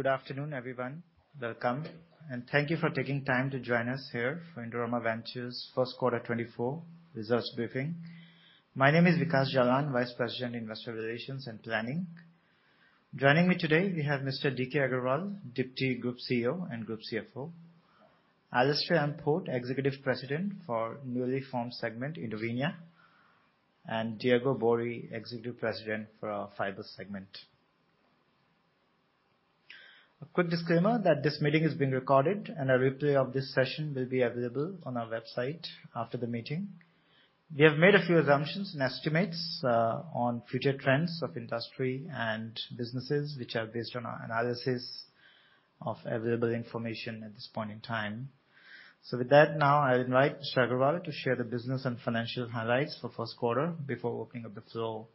So good afternoon, everyone. Welcome, and thank you for taking time to join us here for Indorama Ventures' first quarter 2024 results briefing. My name is Vikash Jalan, Vice President Investor Relations and Planning. Joining me today, we have Mr. Dilip Kumar Agarwal, Deputy Group CEO and Group CFO; Alastair Mark Port, Executive President for newly formed segment Indovinya; and Diego Boeri, Executive President for our fiber segment. A quick disclaimer that this meeting is being recorded, and a replay of this session will be available on our website after the meeting. We have made a few assumptions and estimates on future trends of industry and businesses, which are based on our analysis of available information at this point in time. So with that, now I'll invite Mr. Agarwal to share the business and financial highlights for first quarter before opening up the floor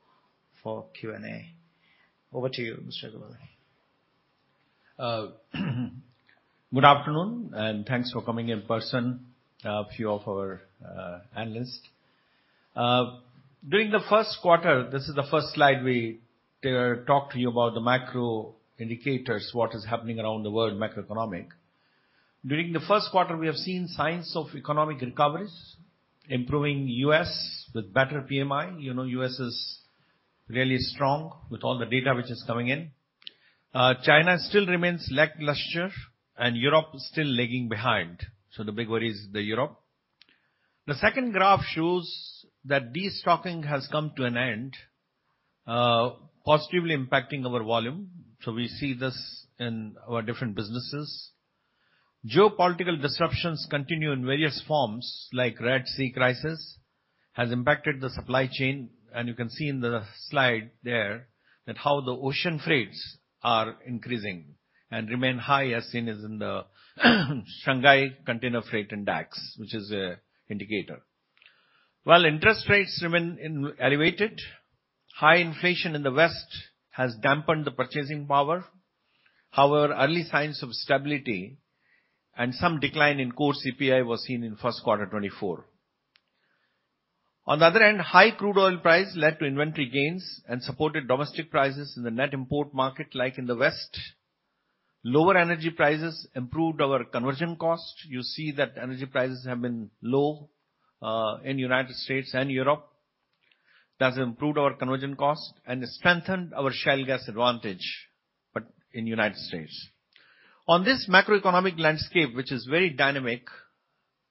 for Q&A. Over to you, Mr. Agarwal. Good afternoon, and thanks for coming in person, a few of our analysts. During the first quarter—this is the first slide—we talked to you about the macro indicators, what is happening around the world, macroeconomic. During the first quarter, we have seen signs of economic recovery, improving U.S. with better PMI. You know, U.S. is really strong with all the data which is coming in. China still remains lackluster, and Europe is still lagging behind, so the big worry is Europe. The second graph shows that destocking has come to an end, positively impacting our volume, so we see this in our different businesses. Geopolitical disruptions continue in various forms, like the Red Sea crisis has impacted the supply chain, and you can see in the slide there how the ocean freights are increasing and remain high, as seen in the Shanghai container freight and DACCS, which is an indicator. While interest rates remain elevated, high inflation in the West has dampened the purchasing power. However, early signs of stability and some decline in core CPI were seen in first quarter 2024. On the other hand, high crude oil prices led to inventory gains and supported domestic prices in the net import market, like in the West. Lower energy prices improved our conversion cost. You see that energy prices have been low in the United States and Europe. That has improved our conversion cost and strengthened our shale gas advantage, but in the United States. On this macroeconomic landscape, which is very dynamic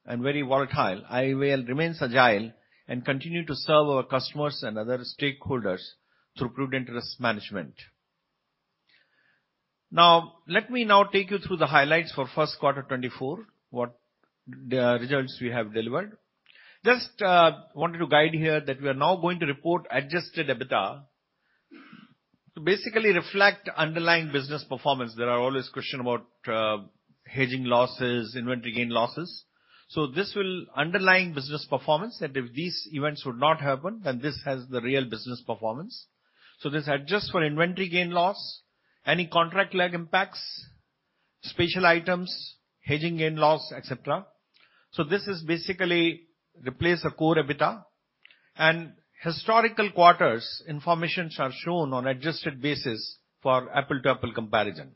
and very volatile, IVL remains agile and continues to serve our customers and other stakeholders through prudent risk management. Now, let me now take you through the highlights for first quarter 2024, what results we have delivered. Just wanted to guide here that we are now going to report adjusted EBITDA to basically reflect underlying business performance. There are always questions about hedging losses, inventory gain losses. So this will underline business performance, and if these events would not happen, then this has the real business performance. So this adjusts for inventory gain loss, any contract lag impacts, special items, hedging gain loss, etc. So this basically replaces core EBITDA, and historical quarters information is shown on an adjusted basis for apples-to-apples comparison.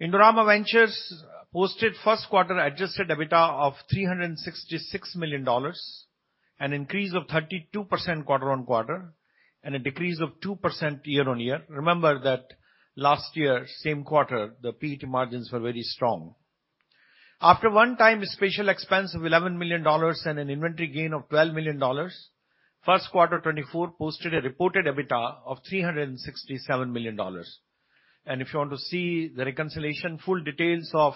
Indorama Ventures posted first quarter adjusted EBITDA of $366 million, an increase of 32% quarter-on-quarter, and a decrease of 2% year-on-year. Remember that last year, same quarter, the PET margins were very strong. After one-time special expense of $11 million and an inventory gain of $12 million, first quarter 2024 posted a reported EBITDA of $367 million. And if you want to see the reconciliation, full details of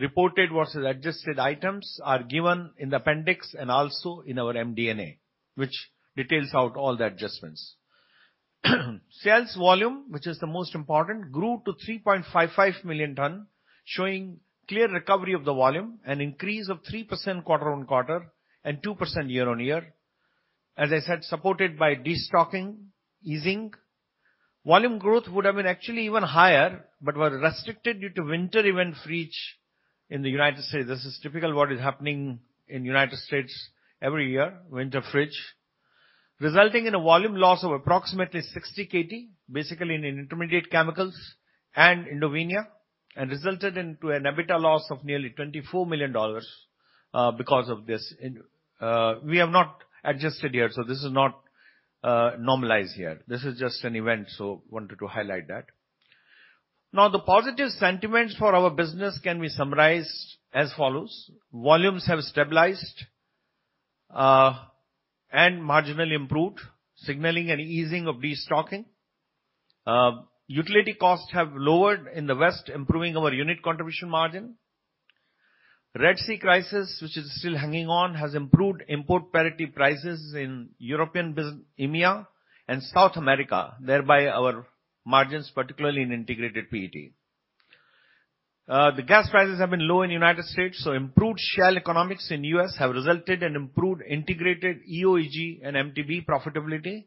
reported versus adjusted items are given in the appendix and also in our MD&A, which details out all the adjustments. Sales volume, which is the most important, grew to 3.55 million tons, showing clear recovery of the volume, an increase of 3% quarter-on-quarter and 2% year-on-year. As I said, supported by destocking, easing. Volume growth would have been actually even higher but was restricted due to winter event freeze in the United States. This is typical of what is happening in the United States every year, winter freeze, resulting in a volume loss of approximately 60 KT, basically in intermediate chemicals and Indovinya, and resulted in an EBITDA loss of nearly $24 million because of this. We have not adjusted here, so this is not normalized here. This is just an event, so I wanted to highlight that. Now, the positive sentiments for our business can be summarized as follows: volumes have stabilized and marginally improved, signaling an easing of destocking. Utility costs have lowered in the West, improving our unit contribution margin. The Red Sea crisis, which is still hanging on, has improved import parity prices in European business, EMEA, and South America, thereby our margins, particularly in integrated PET. The gas prices have been low in the United States, so improved shale economics in the US have resulted in improved integrated EO/EG and MTBE profitability.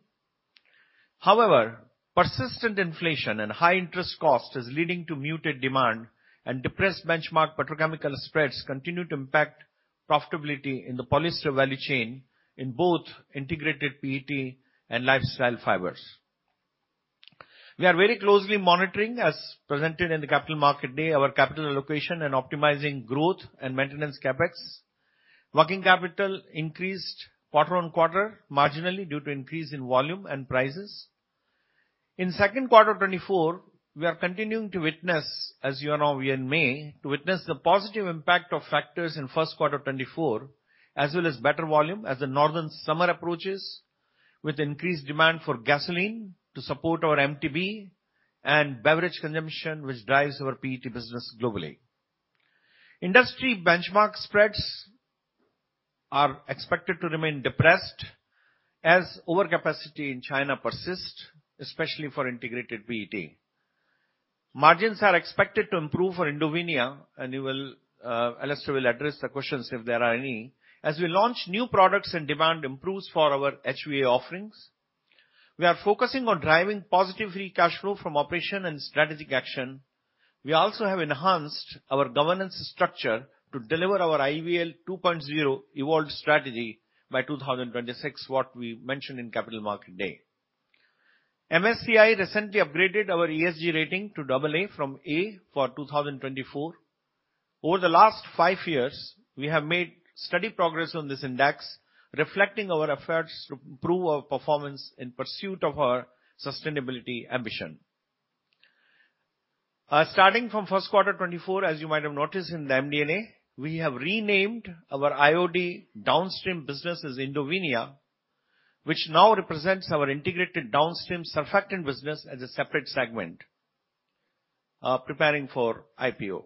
However, persistent inflation and high interest costs are leading to muted demand, and depressed benchmark petrochemical spreads continue to impact profitability in the polyester value chain in both integrated PET and lifestyle fibers. We are very closely monitoring, as presented in the Capital Market Day, our capital allocation and optimizing growth and maintenance CapEx. Working capital increased quarter-on-quarter, marginally due to increase in volume and prices. In second quarter 2024, we are continuing to witness, as you know, we are in May, to witness the positive impact of factors in first quarter 2024, as well as better volume, as the northern summer approaches with increased demand for gasoline to support our MTBE and beverage consumption, which drives our PET business globally. Industry benchmark spreads are expected to remain depressed as overcapacity in China persists, especially for integrated PET. Margins are expected to improve for Indovinya, and Alastair will address the questions if there are any, as we launch new products and demand improves for our HVA offerings. We are focusing on driving positive free cash flow from operation and strategic action. We also have enhanced our governance structure to deliver our IVL 2.0 evolved strategy by 2026, what we mentioned in Capital Market Day. MSCI recently upgraded our ESG rating to AA from A for 2024. Over the last five years, we have made steady progress on this index, reflecting our efforts to improve our performance in pursuit of our sustainability ambition. Starting from first quarter 2024, as you might have noticed in the MD&A, we have renamed our IOD downstream business as Indovinya, which now represents our integrated downstream surfactant business as a separate segment, preparing for IPO.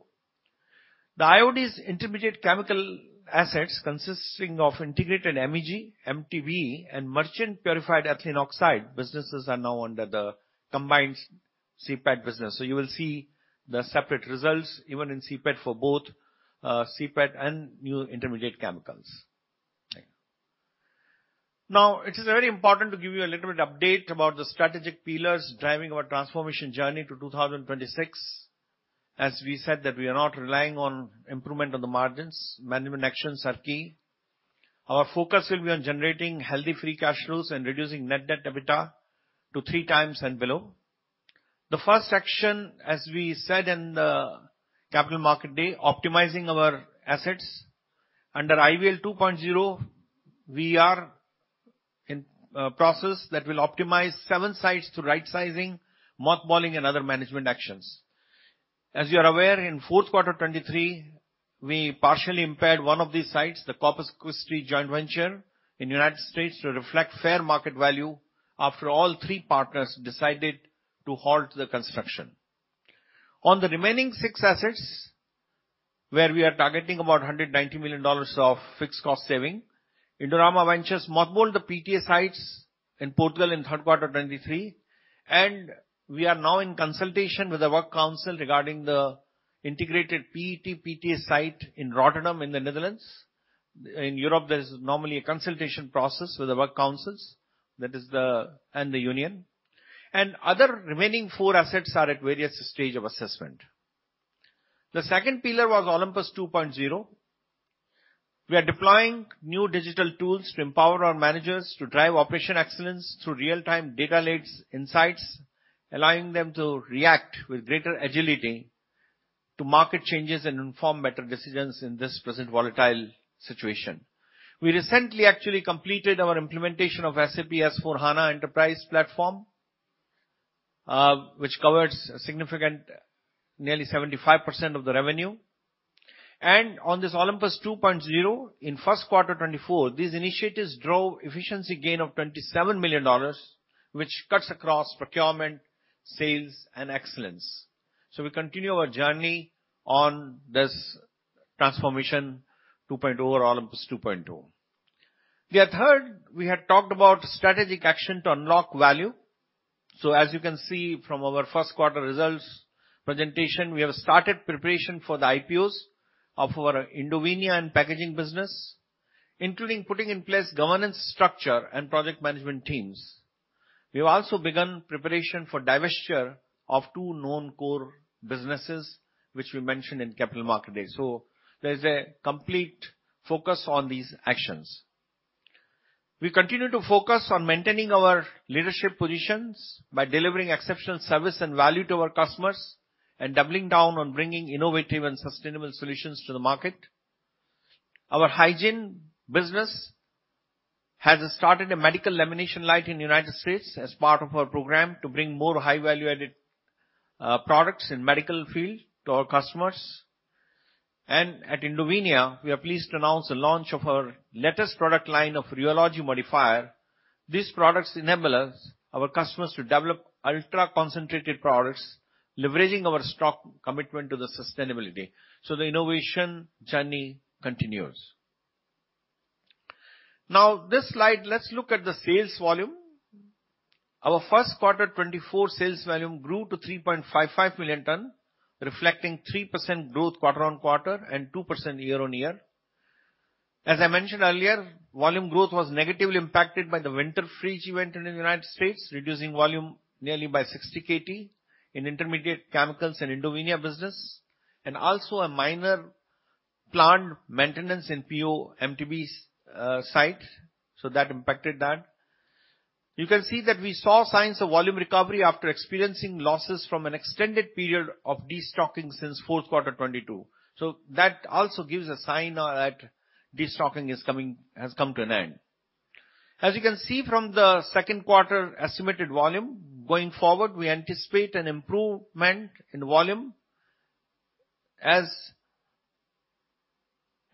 The IOD's intermediate chemical assets, consisting of integrated MEG, MTBE, and merchant purified ethylene oxide, businesses are now under the combined CPET business. So you will see the separate results even in CPET for both CPET and new intermediate chemicals. Now, it is very important to give you a little bit of an update about the strategic pillars driving our transformation journey to 2026. As we said, we are not relying on improvement on the margins. Management actions are key. Our focus will be on generating healthy free cash flows and reducing net debt to EBITDA to 3x and below. The first action, as we said in the Capital Market Day, is optimizing our assets. Under IVL 2.0, we are in the process that will optimize seven sites through right-sizing, mothballing, and other management actions. As you are aware, in fourth quarter 2023, we partially impaired one of these sites, the Corpus Christi joint venture in the United States, to reflect fair market value after all three partners decided to halt the construction. On the remaining six assets, where we are targeting about $190 million of fixed cost saving, Indorama Ventures mothballed the PTA sites in Portugal in third quarter 2023, and we are now in consultation with the works council regarding the integrated PET/PTA site in Rotterdam in the Netherlands. In Europe, there is normally a consultation process with the works councils and the union. Other remaining four assets are at various stages of assessment. The second pillar was Olympus 2.0. We are deploying new digital tools to empower our managers to drive operational excellence through real-time data-led insights, allowing them to react with greater agility to market changes and inform better decisions in this present volatile situation. We recently actually completed our implementation of SAP S/4HANA Enterprise Platform, which covers nearly 75% of the revenue. On this Olympus 2.0, in first quarter 2024, these initiatives drove an efficiency gain of $27 million, which cuts across procurement, sales, and excellence. We continue our journey on this transformation 2.0 or Olympus 2.0. Third, we had talked about strategic action to unlock value. As you can see from our first quarter results presentation, we have started preparation for the IPOs of our Indovinya and packaging business, including putting in place governance structure and project management teams. We have also begun preparation for divestiture of two known core businesses, which we mentioned in Capital Market Day. There is a complete focus on these actions. We continue to focus on maintaining our leadership positions by delivering exceptional service and value to our customers and doubling down on bringing innovative and sustainable solutions to the market. Our hygiene business has started a medical lamination line in the United States as part of our program to bring more high-value-added products in the medical field to our customers. At Indovinya, we are pleased to announce the launch of our latest product line of Rheology Modifier. These products enable our customers to develop ultra-concentrated products, leveraging our stock commitment to sustainability. The innovation journey continues. Now, this slide, let's look at the sales volume. Our first quarter 2024 sales volume grew to 3.55 million tons, reflecting 3% growth quarter-on-quarter and 2% year-on-year. As I mentioned earlier, volume growth was negatively impacted by the winter freeze event in the United States, reducing volume nearly by 60 KT in intermediate chemicals and Indovinya business, and also a minor planned maintenance in PO MTBE site. That impacted that. You can see that we saw signs of volume recovery after experiencing losses from an extended period of destocking since fourth quarter 2022. So that also gives a sign that destocking has come to an end. As you can see from the second quarter estimated volume, going forward, we anticipate an improvement in volume as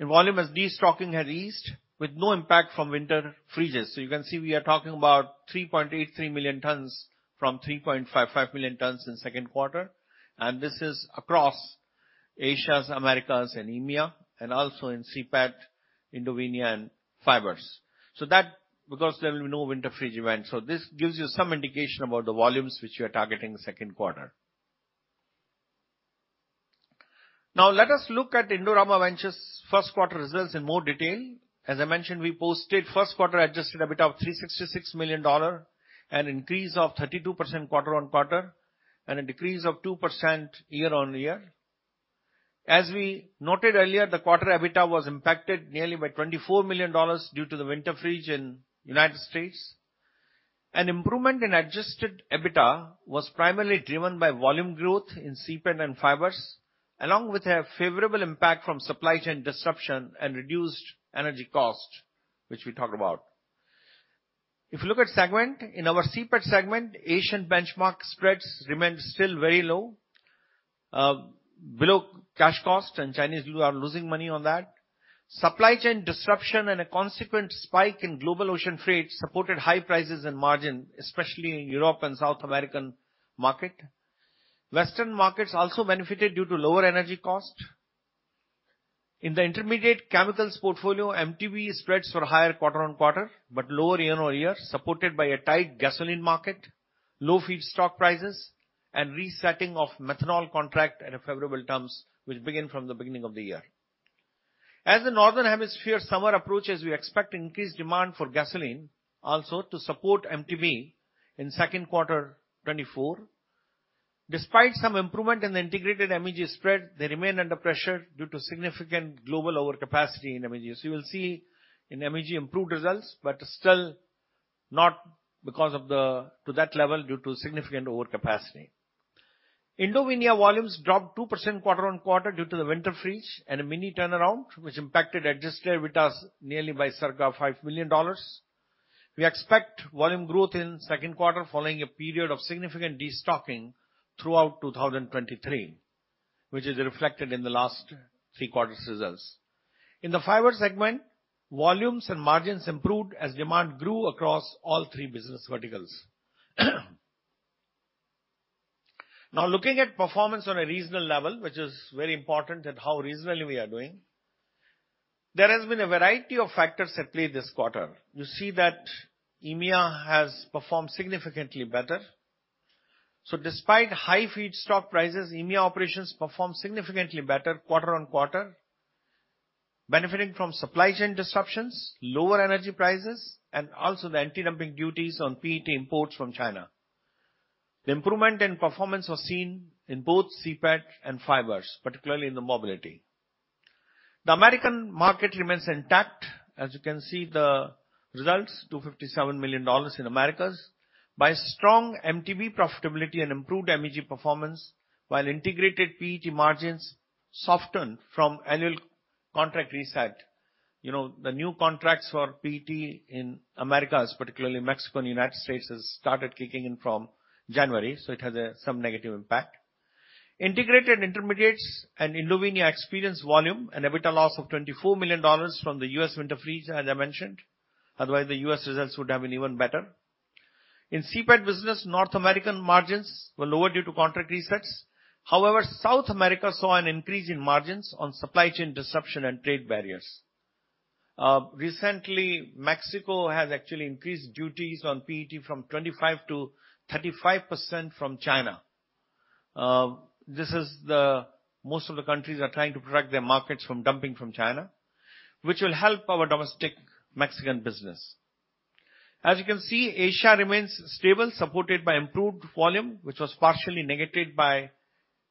destocking has eased with no impact from winter freezes. So you can see we are talking about 3.83 million tons from 3.55 million tons in second quarter, and this is across Asia, America, and EMEA, and also in CPET, Indovinya, and fibers. So that because there will be no winter freeze event. So this gives you some indication about the volumes which you are targeting in second quarter. Now, let us look at Indorama Ventures' first quarter results in more detail. As I mentioned, we posted first quarter adjusted EBITDA of $366 million, an increase of 32% quarter-over-quarter, and a decrease of 2% year-over-year. As we noted earlier, the quarter EBITDA was impacted nearly by $24 million due to the winter freeze in the United States. An improvement in adjusted EBITDA was primarily driven by volume growth in CPET and fibers, along with a favorable impact from supply chain disruption and reduced energy cost, which we talked about. If you look at segment, in our CPET segment, Asian benchmark spreads remain still very low, below cash cost, and Chinese are losing money on that. Supply chain disruption and a consequent spike in global ocean freight supported high prices and margins, especially in Europe and South American markets. Western markets also benefited due to lower energy cost. In the intermediate chemicals portfolio, MTBE spreads were higher quarter-on-quarter but lower year-on-year, supported by a tight gasoline market, low feedstock prices, and resetting of methanol contracts at favorable terms, which began from the beginning of the year. As the northern hemisphere summer approaches, we expect increased demand for gasoline also to support MTBE in second quarter 2024. Despite some improvement in the integrated MEG spread, they remain under pressure due to significant global overcapacity in MEG. So you will see in MEG improved results but still not to that level due to significant overcapacity. Indovinya volumes dropped 2% quarter-on-quarter due to the winter freeze and a mini turnaround, which impacted adjusted EBITDA nearly by circa $5 million. We expect volume growth in second quarter following a period of significant destocking throughout 2023, which is reflected in the last three quarters' results. In the fiber segment, volumes and margins improved as demand grew across all three business verticals. Now, looking at performance on a regional level, which is very important and how regionally we are doing, there has been a variety of factors at play this quarter. You see that EMEA has performed significantly better. So despite high feedstock prices, EMEA operations performed significantly better quarter-on-quarter, benefiting from supply chain disruptions, lower energy prices, and also the anti-dumping duties on PET imports from China. The improvement in performance was seen in both CPET and fibers, particularly in the mobility. The American market remains intact. As you can see the results, $257 million in Americas by strong MTBE profitability and improved MEG performance, while integrated PET margins softened from annual contract reset. The new contracts for PET in Americas, particularly Mexico and the United States, have started kicking in from January. So it has some negative impact. Integrated intermediates and Indovinya experienced volume and EBITDA loss of $24 million from the U.S. winter freeze, as I mentioned. Otherwise, the U.S. results would have been even better. In CPET business, North American margins were lower due to contract resets. However, South America saw an increase in margins on supply chain disruption and trade barriers. Recently, Mexico has actually increased duties on PET from 25%-35% from China. Most of the countries are trying to protect their markets from dumping from China, which will help our domestic Mexican business. As you can see, Asia remains stable, supported by improved volume, which was partially negated by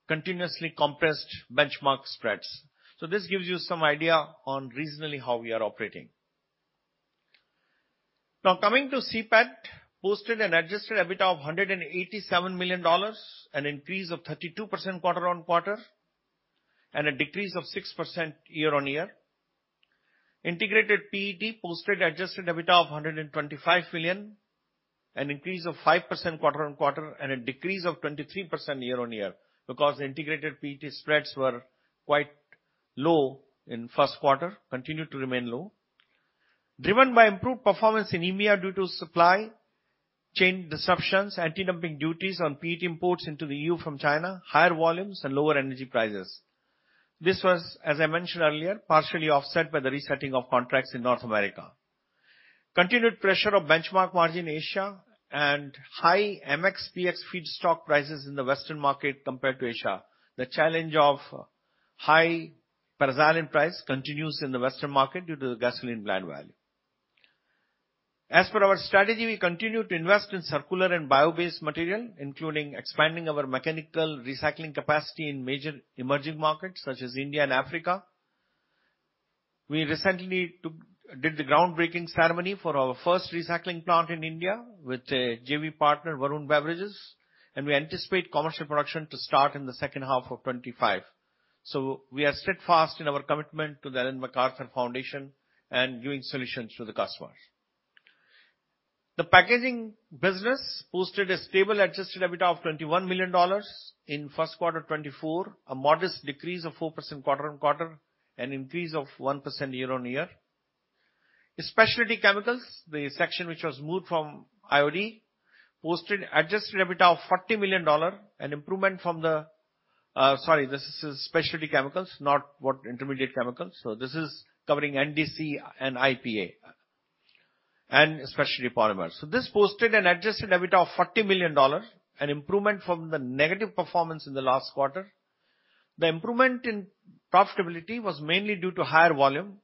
continuously compressed benchmark spreads. So this gives you some idea on reasonably how we are operating. Now, coming to CPET, it posted an adjusted EBITDA of $187 million, an increase of 32% quarter-on-quarter, and a decrease of 6% year-on-year. Integrated PET posted an adjusted EBITDA of $125 million, an increase of 5% quarter-on-quarter, and a decrease of 23% year-on-year because the integrated PET spreads were quite low in first quarter, continue to remain low. Driven by improved performance in EMEA due to supply chain disruptions, anti-dumping duties on PET imports into the EU from China, higher volumes, and lower energy prices. This was, as I mentioned earlier, partially offset by the resetting of contracts in North America. Continued pressure of benchmark margin in Asia and high MX/PX feedstock prices in the Western market compared to Asia. The challenge of high paraxylene price continues in the Western market due to the gasoline blend value. As per our strategy, we continue to invest in circular and bio-based material, including expanding our mechanical recycling capacity in major emerging markets such as India and Africa. We recently did the groundbreaking ceremony for our first recycling plant in India with JV partner Varun Beverages, and we anticipate commercial production to start in the second half of 2025. So we are steadfast in our commitment to the Ellen MacArthur Foundation and giving solutions to the customers. The packaging business posted a stable adjusted EBITDA of $21 million in first quarter 2024, a modest decrease of 4% quarter-on-quarter, and an increase of 1% year-on-year. Specialty chemicals, the section which was moved from IOD, posted an adjusted EBITDA of $40 million and improvement from the-sorry, this is specialty chemicals, not intermediate chemicals. So this is covering NDC and IPA and specialty polymers. So this posted an adjusted EBITDA of $40 million and an improvement from the negative performance in the last quarter. The improvement in profitability was mainly due to higher volume,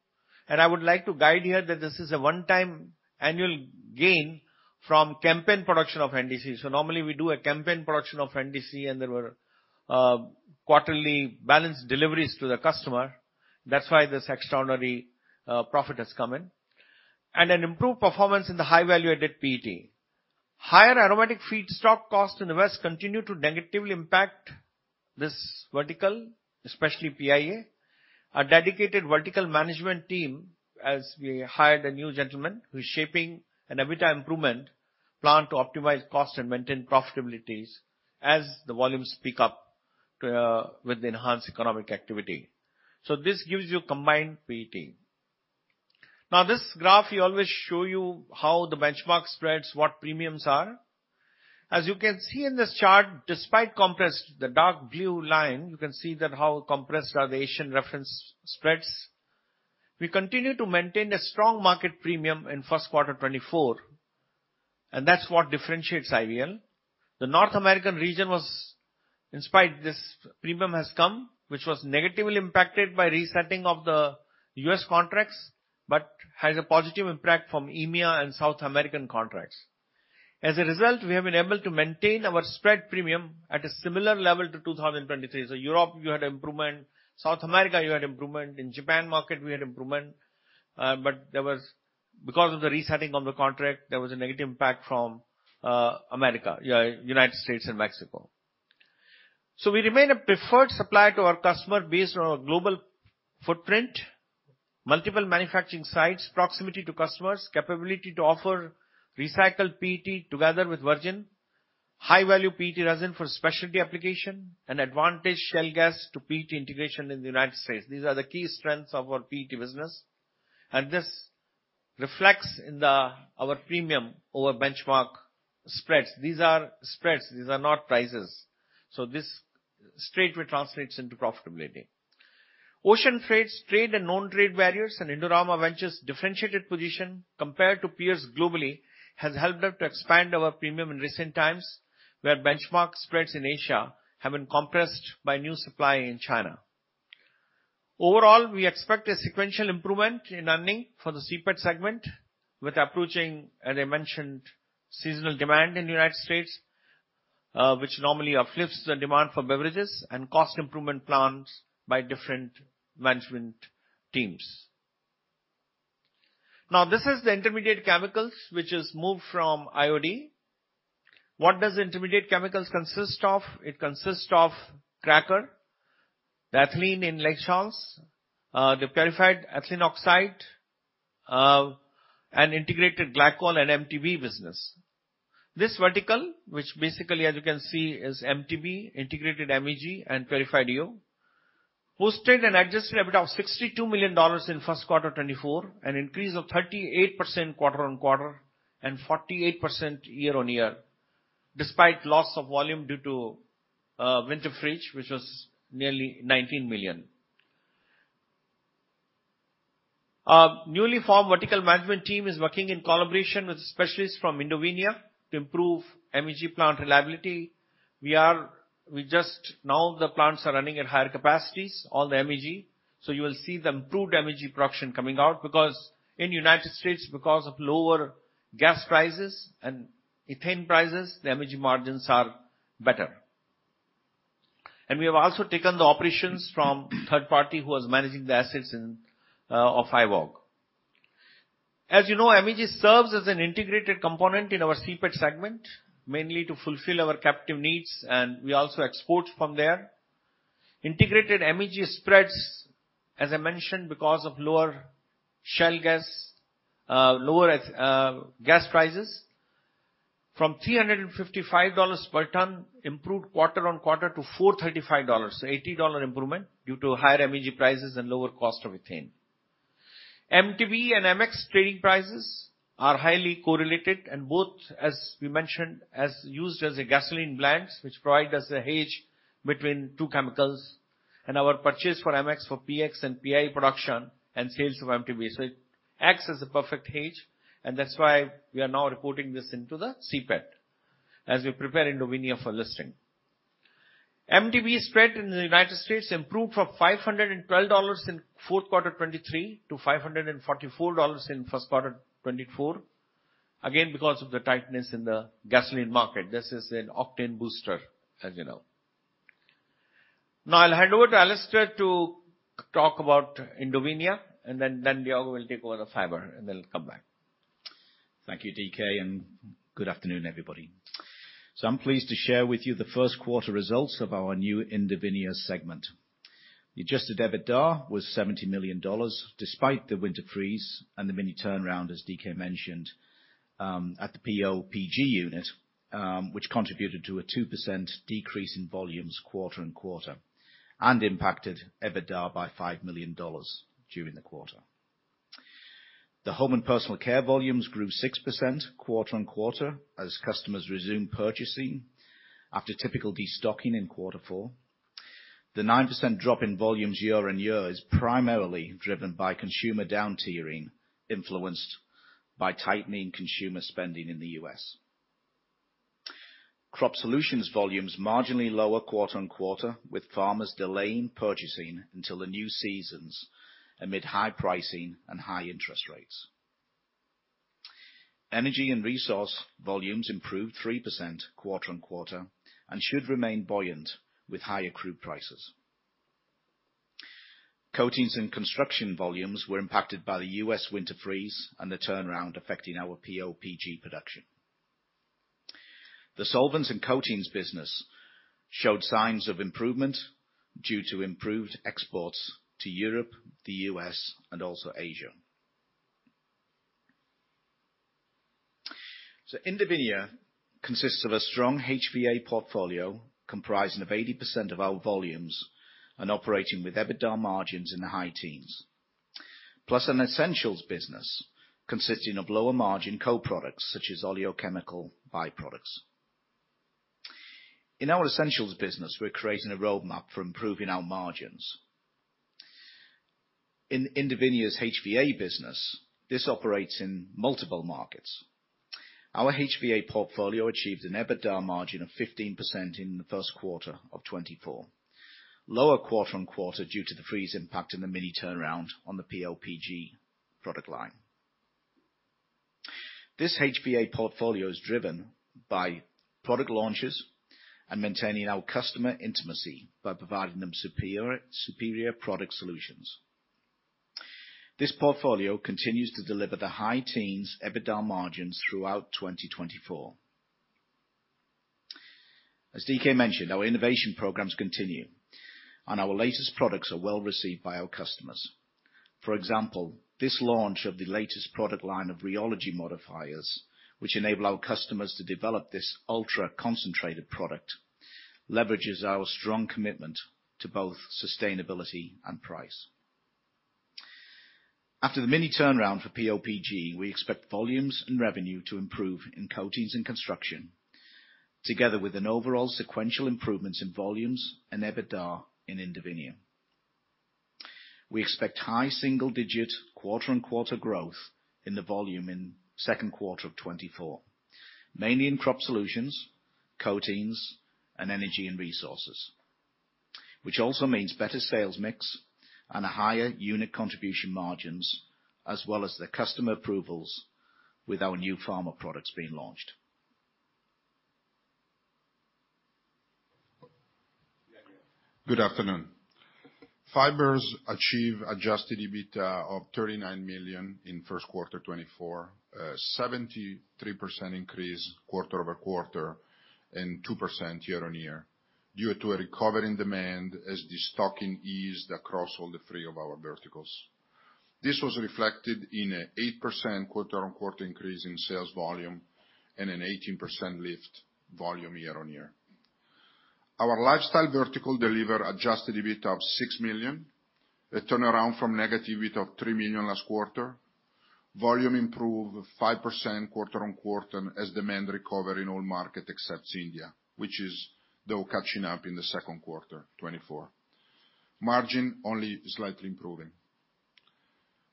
and I would like to guide here that this is a one-time annual gain from campaign production of NDC. So normally, we do a campaign production of NDC, and there were quarterly balanced deliveries to the customer. That's why this extraordinary profit has come in. And an improved performance in the high-value-added PET. Higher aromatic feedstock costs in the West continue to negatively impact this vertical, especially IPA. A dedicated vertical management team, as we hired a new gentleman who is shaping an EBITDA improvement plan to optimize costs and maintain profitabilities as the volumes pick up with enhanced economic activity. So this gives you combined PET. Now, this graph, we always show you how the benchmark spreads, what premiums are. As you can see in this chart, despite compressed, the dark blue line, you can see how compressed are the Asian reference spreads. We continue to maintain a strong market premium in first quarter 2024, and that's what differentiates IVL. The North American region, despite this premium, has come, which was negatively impacted by resetting of the U.S. contracts but has a positive impact from EMEA and South American contracts. As a result, we have been able to maintain our spread premium at a similar level to 2023. So Europe, you had improvement. South America, you had improvement. In the Japan market, we had improvement, but because of the resetting of the contract, there was a negative impact from the United States and Mexico. So we remain a preferred supplier to our customer based on our global footprint, multiple manufacturing sites, proximity to customers, capability to offer recycled PET together with virgin, high-value PET resin for specialty application, and advantage of shale gas to PET integration in the United States. These are the key strengths of our PET business, and this reflects in our premium over benchmark spreads. These are spreads. These are not prices. So this straightway translates into profitability. Ocean freight's trade and non-trade barriers and Indorama Ventures' differentiated position compared to peers globally has helped us to expand our premium in recent where benchmark spreads in Asia have been compressed by new supply in China. Overall, we expect a sequential improvement in earnings for the CPET segment with approaching, as I mentioned, seasonal demand in the United States, which normally uplifts the demand for beverages and cost improvement plans by different management teams. Now, this is the intermediate chemicals, which is moved from IOD. What does intermediate chemicals consist of? It consists of cracker, the ethylene, olefins, the purified ethylene oxide, and integrated glycol and MTBE business. This vertical, which basically, as you can see, is MTBE, integrated MEG, and purified EO, posted an adjusted EBITDA of $62 million in first quarter 2024, an increase of 38% quarter-on-quarter and 48% year-on-year despite loss of volume due to winter freeze, which was nearly $19 million. A newly formed vertical management team is working in collaboration with specialists from Indovinya to improve MEG plant reliability. Now, the plants are running at higher capacities, all the MEG. So you will see the improved MEG production coming out because in the United States, because of lower gas prices and ethane prices, the MEG margins are better. And we have also taken the operations from a third party who is managing the assets of IVOG. As you know, MEG serves as an integrated component in our CPET segment mainly to fulfill our captive needs, and we also export from there. Integrated MEG spreads, as I mentioned, because of lower shale gas, lower gas prices from $355 per ton improved quarter-on-quarter to $435, so $80 improvement due to higher MEG prices and lower cost of ethane. MTBE and MX trading prices are highly correlated and both, as we mentioned, are used as gasoline blends, which provide us a hedge between two chemicals and our purchase for MX for PX and IPA production and sales of MTBE. So it acts as a perfect hedge, and that's why we are now reporting this into the CPET as we prepare Indovinya for listing. MTBE spread in the United States improved from $512 in fourth quarter 2023 to $544 in first quarter 2024, again because of the tightness in the gasoline market. This is an octane booster, as you know. Now, I'll hand over to Alastair to talk about Indovinya, and then Diego will take over the fiber, and then he'll come back. Thank you, DK, and good afternoon, everybody. So I'm pleased to share with you the first quarter results of our new Indovinya segment. The adjusted EBITDA was $70 million despite the winter freeze and the mini turnaround, as DK mentioned, at the PO/PG unit, which contributed to a 2% decrease in volumes quarter-on-quarter and impacted EBITDA by $5 million during the quarter. The home and personal care volumes grew 6% quarter-on-quarter as customers resumed purchasing after typical destocking in quarter four. The 9% drop in volumes year-on-year is primarily driven by consumer down-tiering influenced by tightening consumer spending in the U.S. Crop solutions volumes marginally lower quarter-on-quarter with farmers delaying purchasing until the new seasons amid high pricing and high interest rates. Energy and resource volumes improved 3% quarter-on-quarter and should remain buoyant with higher crude prices. Coatings and construction volumes were impacted by the U.S. winter freeze and the turnaround affecting our PO/PG production. The solvents and coatings business showed signs of improvement due to improved exports to Europe, the U.S., and also Asia. So Indovinya consists of a strong HVA portfolio comprising 80% of our volumes and operating with EBITDA margins in the high teens, plus an essentials business consisting of lower margin co-products such as oleochemical byproducts. In our essentials business, we're creating a roadmap for improving our margins. In Indovinya's HVA business, this operates in multiple markets. Our HVA portfolio achieved an EBITDA margin of 15% in the first quarter of 2024, lower quarter-on-quarter due to the freeze impact and the mini turnaround on the PO/PG product line. This HVA portfolio is driven by product launches and maintaining our customer intimacy by providing them superior product solutions. This portfolio continues to deliver the high teens EBITDA margins throughout 2024. As DK mentioned, our innovation programs continue, and our latest products are well received by our customers. For example, this launch of the latest product line of rheology modifiers, which enable our customers to develop this ultra-concentrated product, leverages our strong commitment to both sustainability and price. After the mini turnaround for PO/PG, we expect volumes and revenue to improve in coatings and construction together with an overall sequential improvements in volumes and EBITDA in Indovinya. We expect high single-digit quarter on quarter growth in the volume in second quarter of 2024 mainly in crop solutions, coatings, and energy and resources, which also means better sales mix and a higher unit contribution margins as well as the customer approvals with our new pharma products being launched. Good afternoon. Fibers achieve adjusted EBITDA of $39 million in first quarter 2024, a 73% increase quarter-over-quarter and 2% year-on-year due to a recovering demand as destocking eased across all the three of our verticals. This was reflected in an 8% quarter-on-quarter increase in sales volume and an 18% lift volume year-on-year. Our lifestyle vertical delivered adjusted EBITDA of $6 million, a turnaround from negative EBITDA of $3 million last quarter, volume improved 5% quarter-on-quarter as demand recovered in all markets except India, which is the catching up in the second quarter 2024, margin only slightly improving.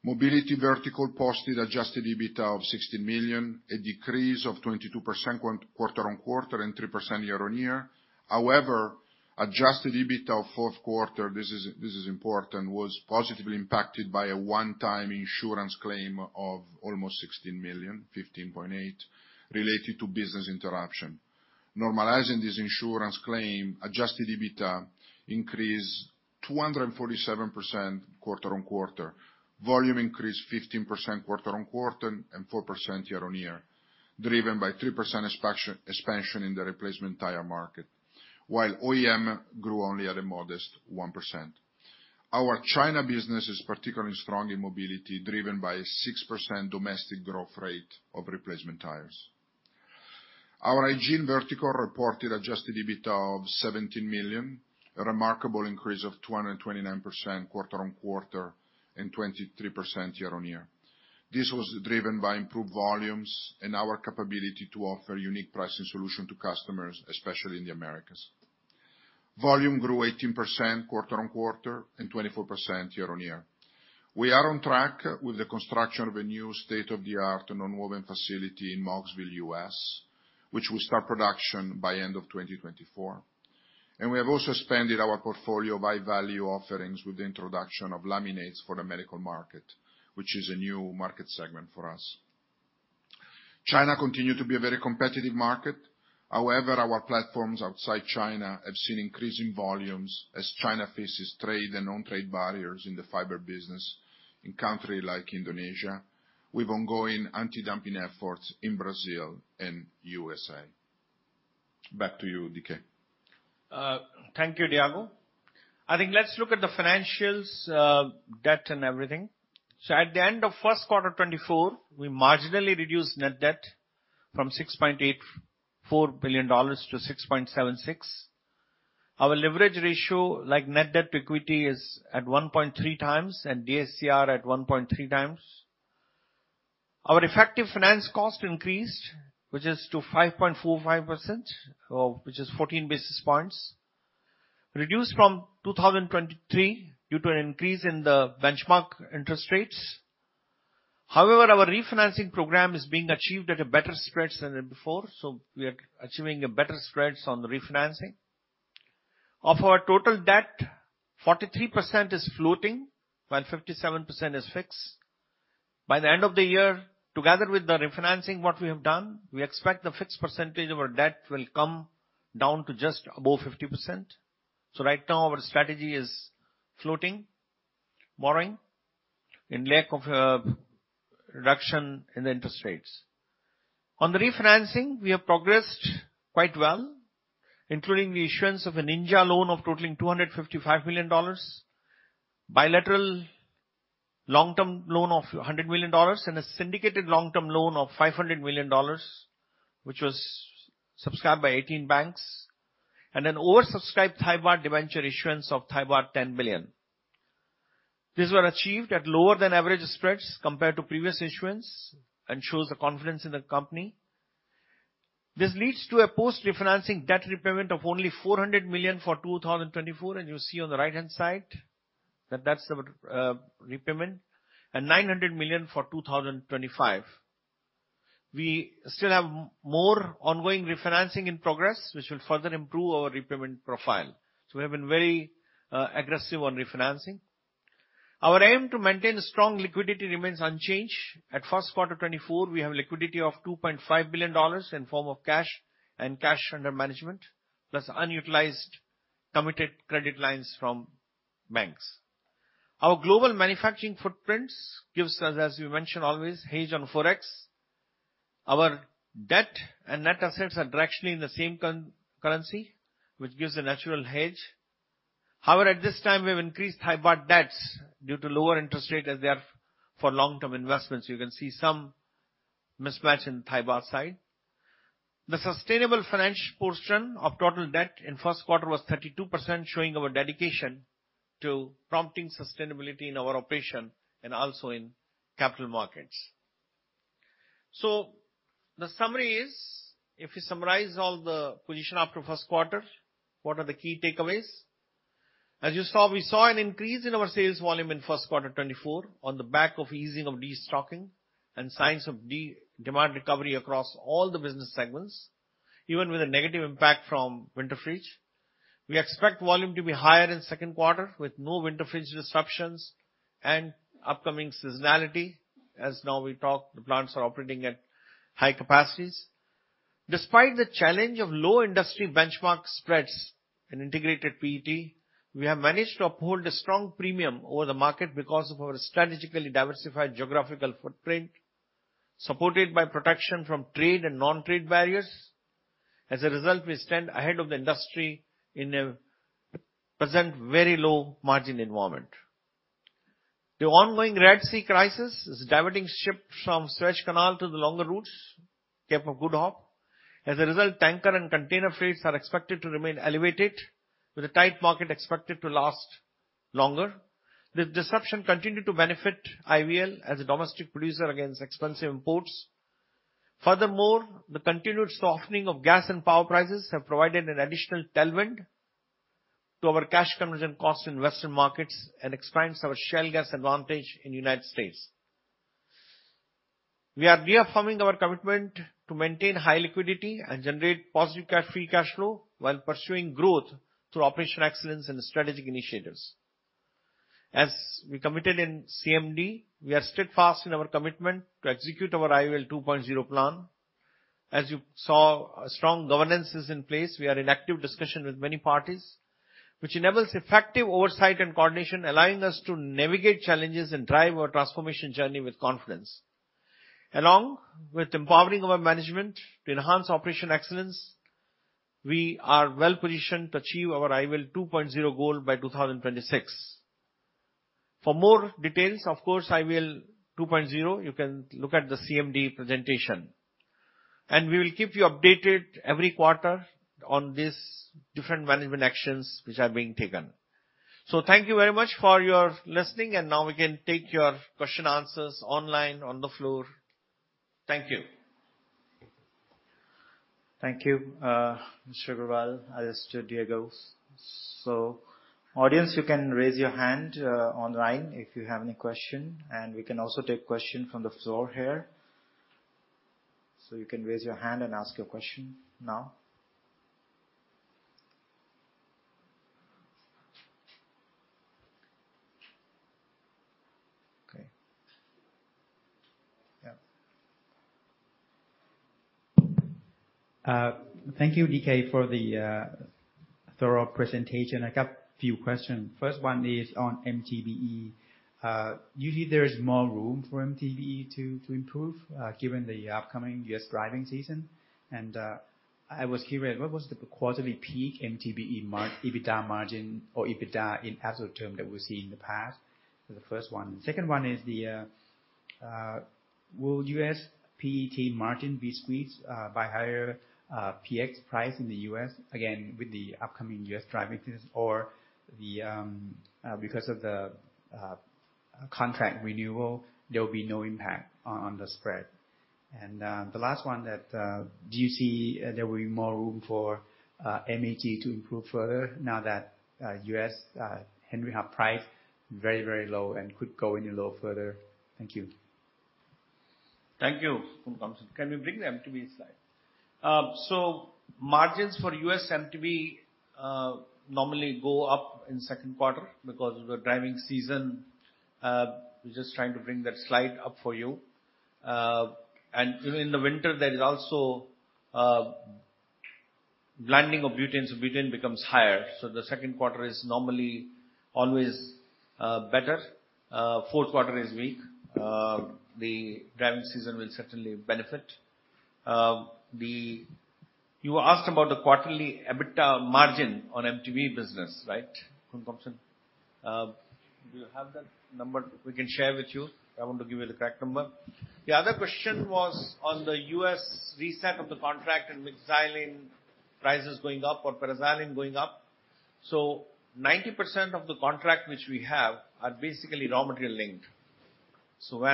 Mobility vertical posted adjusted EBITDA of $16 million, a decrease of 22% quarter-on-quarter and 3% year-on-year. However, adjusted EBITDA of fourth quarter, this is important, was positively impacted by a one-time insurance claim of almost $16 million, $15.8 million, related to business interruption. Normalizing this insurance claim, adjusted EBITDA increased 247% quarter-on-quarter, volume increased 15% quarter-on-quarter and 4% year-on-year driven by 3% expansion in the replacement tire market while OEM grew only at a modest 1%. Our China business is particularly strong in mobility driven by a 6% domestic growth rate of replacement tires. Our hygiene vertical reported adjusted EBITDA of $17 million, a remarkable increase of 229% quarter-on-quarter and 23% year-on-year. This was driven by improved volumes and our capability to offer unique pricing solutions to customers, especially in the Americas. Volume grew 18% quarter-on-quarter and 24% year-on-year. We are on track with the construction of a new state-of-the-art nonwoven facility in Mocksville, U.S., which will start production by end of 2024. We have also expanded our portfolio by value offerings with the introduction of laminates for the medical market, which is a new market segment for us. China continues to be a very competitive market. However, our platforms outside China have seen increasing volumes as China faces trade and non-trade barriers in the fiber business in countries like Indonesia with ongoing anti-dumping efforts in Brazil and U.S. Back to you, DK. Thank you, Diego. I think let's look at the financials, debt, and everything. So at the end of first quarter 2024, we marginally reduced net debt from $6.84 billion-$6.76 billion. Our leverage ratio, like net debt to equity, is at 1.3x and DSCR at 1.3x. Our effective finance cost increased, which is to 5.45%, which is 14 basis points reduced from 2023 due to an increase in the benchmark interest rates. However, our refinancing program is being achieved at a better spread than before. So we are achieving better spreads on the refinancing. Of our total debt, 43% is floating while 57% is fixed. By the end of the year, together with the refinancing what we have done, we expect the fixed percentage of our debt will come down to just above 50%. So right now, our strategy is floating, borrowing in lack of reduction in the interest rates. On the refinancing, we have progressed quite well, including the issuance of a Ninja loan totaling $255 million, bilateral long-term loan of $100 million, and a syndicated long-term loan of $500 million, which was subscribed by 18 banks, and an oversubscribed Thai baht debenture issuance of 10 billion. These were achieved at lower than average spreads compared to previous issuance and show the confidence in the company. This leads to a post-refinancing debt repayment of only $400 million for 2024, and you see on the right-hand side that that's the repayment, and $900 million for 2025. We still have more ongoing refinancing in progress, which will further improve our repayment profile. So we have been very aggressive on refinancing. Our aim to maintain strong liquidity remains unchanged. At first quarter 2024, we have liquidity of $2.5 billion in form of cash and cash under management plus unutilized committed credit lines from banks. Our global manufacturing footprint gives us, as we mention always, hedge on Forex. Our debt and net assets are directionally in the same currency, which gives a natural hedge. However, at this time, we have increased Thai baht debts due to lower interest rates as they are for long-term investments. You can see some mismatch in Thai baht side. The sustainable financial portion of total debt in first quarter was 32%, showing our dedication to promoting sustainability in our operation and also in capital markets. So the summary is, if we summarize all the position after first quarter, what are the key takeaways? As you saw, we saw an increase in our sales volume in first quarter 2024 on the back of easing of destocking and signs of demand recovery across all the business segments, even with a negative impact from winter freeze. We expect volume to be higher in second quarter with no winter freeze disruptions and upcoming seasonality. As now we talk, the plants are operating at high capacities. Despite the challenge of low industry benchmark spreads and integrated PET, we have managed to uphold a strong premium over the market because of our strategically diversified geographical footprint supported by protection from trade and non-trade barriers. As a result, we stand ahead of the industry in a present very low margin environment. The ongoing Red Sea crisis is diverting ships from Suez Canal to the longer routes, Cape of Good Hope. As a result, tanker and container freights are expected to remain elevated, with a tight market expected to last longer. This disruption continued to benefit IVL as a domestic producer against expensive imports. Furthermore, the continued softening of gas and power prices has provided an additional tailwind to our cash conversion cost in Western markets and expands our shale gas advantage in the United States. We are reaffirming our commitment to maintain high liquidity and generate positive free cash flow while pursuing growth through operational excellence and strategic initiatives. As we committed in CMD, we are steadfast in our commitment to execute our IVL 2.0 plan. As you saw, strong governance is in place. We are in active discussion with many parties, which enables effective oversight and coordination, allowing us to navigate challenges and drive our transformation journey with confidence. Along with empowering our management to enhance operational excellence, we are well positioned to achieve our IVL 2.0 goal by 2026. For more details, of course, IVL 2.0, you can look at the CMD presentation. We will keep you updated every quarter on these different management actions which are being taken. Thank you very much for your listening, and now we can take your question answers online on the floor. Thank you. Thank you, Mr.AGarwal, Alastair, Diego. So audience, you can raise your hand online if you have any question, and we can also take questions from the floor here. So you can raise your hand and ask your question now. Okay. Yeah. Thank you, DK, for the thorough presentation. I got a few questions. First one is on MTBE. Usually, there is more room for MTBE to improve given the upcoming U.S. driving season. And I was curious, what was the quarterly peak MTBE EBITDA margin or EBITDA in absolute terms that we've seen in the past? That's the first one. The second one is, will U.S. PET margin be squeezed by higher PX price in the U.S., again, with the upcoming U.S. driving season, or because of the contract renewal, there will be no impact on the spread? And the last one that, do you see there will be more room for MAT to improve further now that U.S. Henry Hub price is very, very low and could go any lower further? Thank you. Thank you, Muthukumar Paramasivam. Can you bring the MTBE slide? So margins for U.S. MTBE normally go up in second quarter because of the driving season. We're just trying to bring that slide up for you. And in the winter, there is also landing of butane, so butane becomes higher. So the second quarter is normally always better. Fourth quarter is weak. The driving season will certainly benefit. You were asked about the quarterly EBITDA margin on MTBE business, right, Muthukumar Paramasivam? Do you have that number? We can share with you. I want to give you the correct number. The other question was on the U.S. reset of the contract and MX prices going up or PX going up. So 90% of the contract which we have are basically raw material linked. So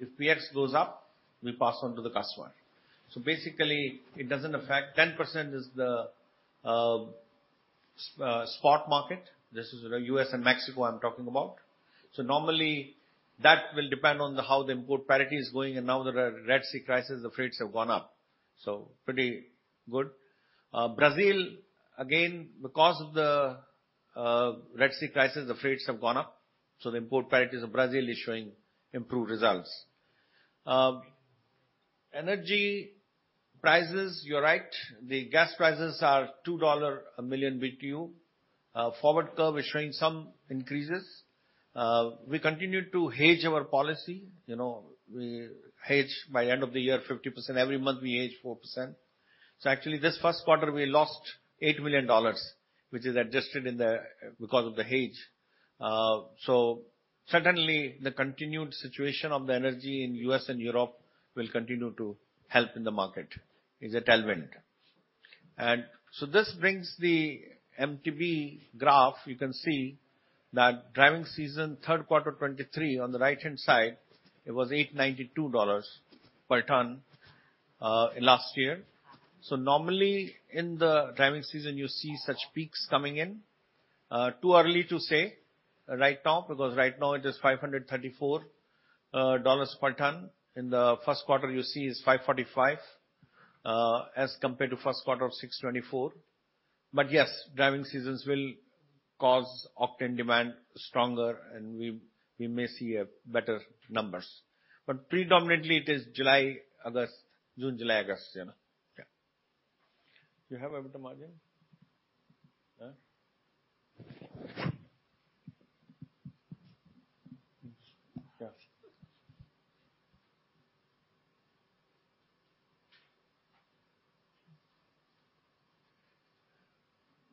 if PX goes up, we pass on to the customer. So basically, it doesn't affect. 10% is the spot market. This is U.S. and Mexico I'm talking about. So normally, that will depend on how the import parity is going. And now that the Red Sea crisis, the freights have gone up. So pretty good. Brazil, again, because of the Red Sea crisis, the freights have gone up. So the import parities of Brazil is showing improved results. Energy prices, you're right. The gas prices are $2 a million BTU. Forward curve is showing some increases. We continue to hedge our policy. We hedge by the end of the year 50%. Every month, we hedge 4%. So actually, this first quarter, we lost $8 million, which is adjusted because of the hedge. So certainly, the continued situation of the energy in U.S. and Europe will continue to help in the market. It's a tailwind. And so this brings the MTBE graph. You can see that driving season, third quarter 2023, on the right-hand side, it was $892 per ton last year. So normally, in the driving season, you see such peaks coming in. Too early to say right now because right now, it is $534 per ton. In the first quarter, you see it's $545 as compared to first quarter of 2024. But yes, driving seasons will cause octane demand stronger, and we may see better numbers. But predominantly, it is July, August, June, July, August. Yeah. Do you have EBITDA margin?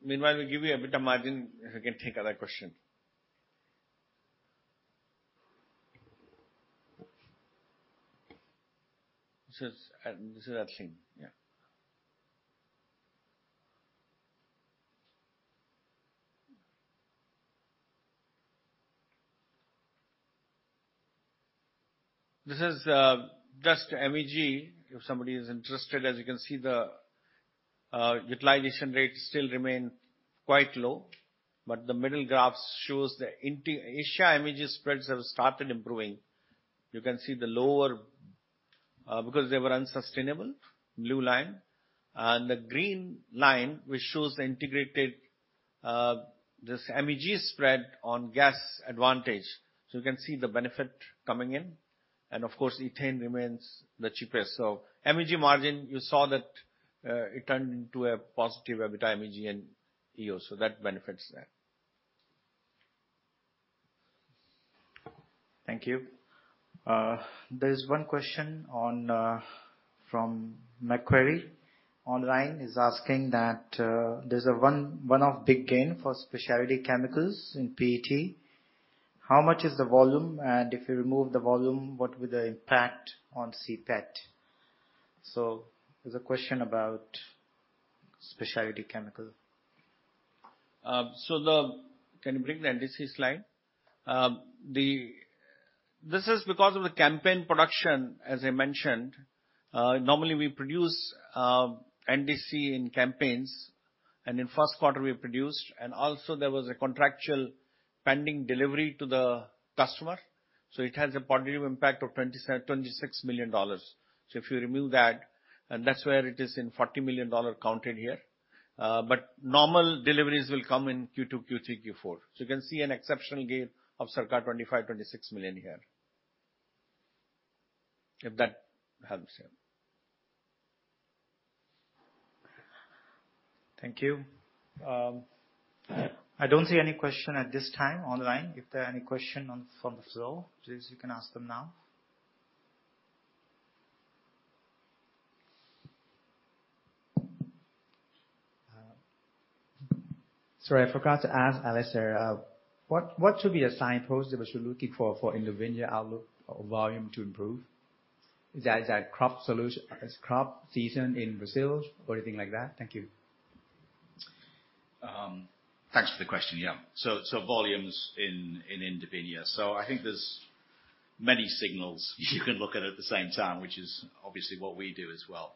Yeah. Meanwhile, we give you EBITDA margin. We can take other questions. This is Ethylene. Yeah. This is just MEG. If somebody is interested, as you can see, the utilization rate still remains quite low. But the middle graph shows the Asia MEG spreads have started improving. You can see the lower because they were unsustainable, blue line. And the green line, which shows the integrated this MEG spread on gas advantage. So you can see the benefit coming in. And of course, ethane remains the cheapest. So MEG margin, you saw that it turned into a positive EBITDA MEG and EO, so that benefits there. Thank you. There is one question from Macquarie online is asking that there's one-off big gain for specialty chemicals in PET. How much is the volume? And if you remove the volume, what will the impact on CPET? So there's a question about specialty chemical. So can you bring the NDC slide? This is because of the campaign production, as I mentioned. Normally, we produce NDC in campaigns. And in first quarter, we produced. And also, there was a contractual pending delivery to the customer. It has a positive impact of $26 million. So if you remove that, and that's where it is in $40 million counted here. But normal deliveries will come in Q2, Q3, Q4. So you can see an exceptional gain of circa $25 million-$26 million here, if that helps. Yeah. Thank you. I don't see any question at this time online. If there are any questions from the floor, please, you can ask them now. Sorry, I forgot to ask, Alastair, what should be the signpost that we should be looking for for Indovinya outlook or volume to improve? Is that crop season in Brazil or anything like that? Thank you. Thanks for the question. Yeah. So volumes in Indovinya. So I think there's many signals you can look at at the same time, which is obviously what we do as well.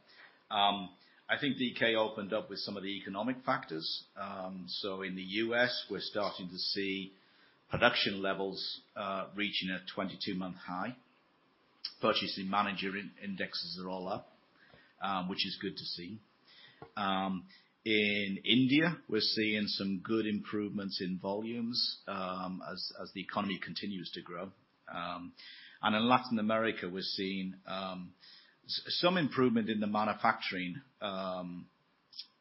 I think DK opened up with some of the economic factors. So in the US, we're starting to see production levels reaching a 22-month high. Purchasing manager indexes are all up, which is good to see. In India, we're seeing some good improvements in volumes as the economy continues to grow. And in Latin America, we're seeing some improvement in the manufacturing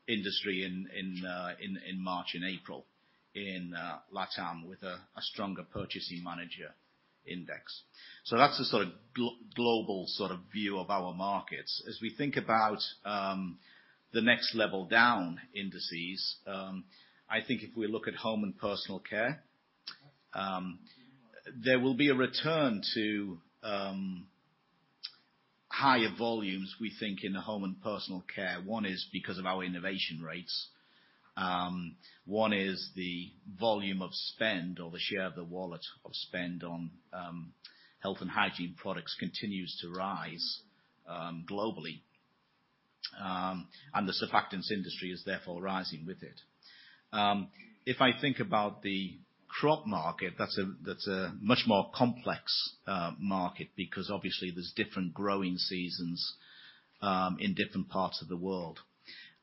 industry in March, in April, in LATAM with a stronger purchasing manager index. So that's the sort of global sort of view of our markets. As we think about the next level down indices, I think if we look at home and personal care, there will be a return to higher volumes, we think, in the home and personal care. One is because of our innovation rates. One is the volume of spend or the share of the wallet of spend on health and hygiene products continues to rise globally. And the surfactants industry is therefore rising with it. If I think about the crop market, that's a much more complex market because obviously, there's different growing seasons in different parts of the world.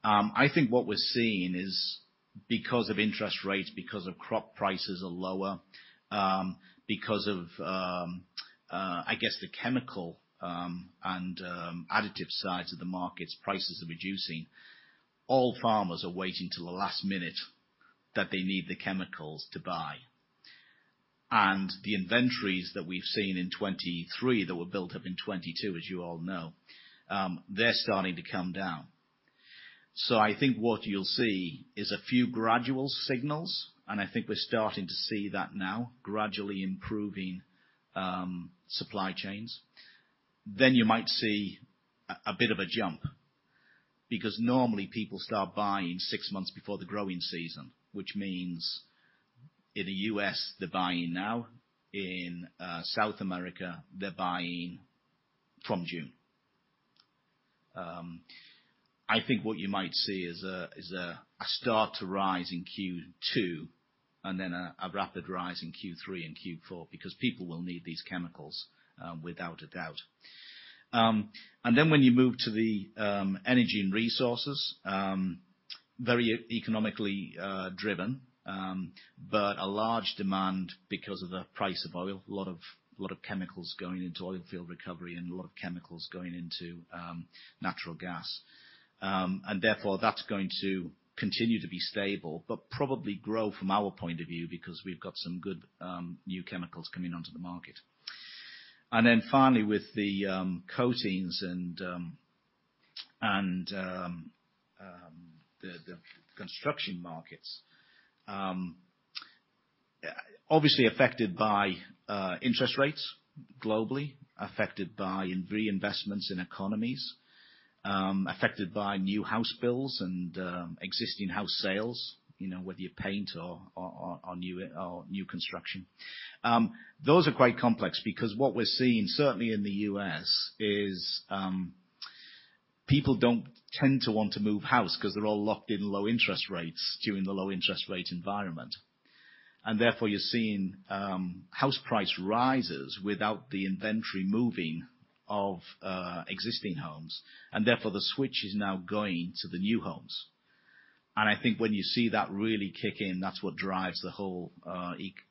I think what we're seeing is because of interest rates, because of crop prices are lower, because of, I guess, the chemical and additive sides of the markets, prices are reducing. All farmers are waiting till the last minute that they need the chemicals to buy. The inventories that we've seen in 2023 that were built up in 2022, as you all know, they're starting to come down. So I think what you'll see is a few gradual signals, and I think we're starting to see that now, gradually improving supply chains. Then you might see a bit of a jump because normally, people start buying six months before the growing season, which means in the U.S., they're buying now. In South America, they're buying from June. I think what you might see is a start to rise in Q2 and then a rapid rise in Q3 and Q4 because people will need these chemicals, without a doubt. And then, when you move to the energy and resources, very economically driven, but a large demand because of the price of oil, a lot of chemicals going into oilfield recovery and a lot of chemicals going into natural gas. And therefore, that's going to continue to be stable but probably grow from our point of view because we've got some good new chemicals coming onto the market. And then finally, with the coatings and the construction markets, obviously affected by interest rates globally, affected by reinvestments in economies, affected by new house bills and existing house sales, whether you paint or new construction. Those are quite complex because what we're seeing, certainly in the U.S., is people don't tend to want to move house because they're all locked in low interest rates during the low-interest-rate environment. Therefore, you're seeing house price rises without the inventory moving of existing homes. Therefore, the switch is now going to the new homes. I think when you see that really kick in, that's what drives the whole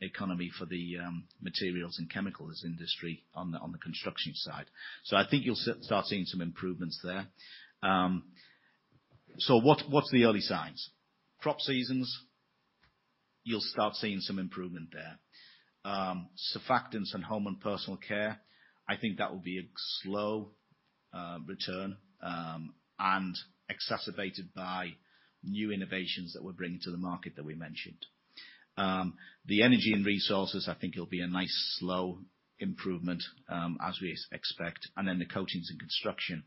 economy for the materials and chemicals industry on the construction side. I think you'll start seeing some improvements there. What's the early signs? Crop seasons, you'll start seeing some improvement there. Surfactants and home and personal care, I think that will be a slow return and exacerbated by new innovations that we're bringing to the market that we mentioned. The energy and resources, I think it'll be a nice slow improvement as we expect. Then the coatings and construction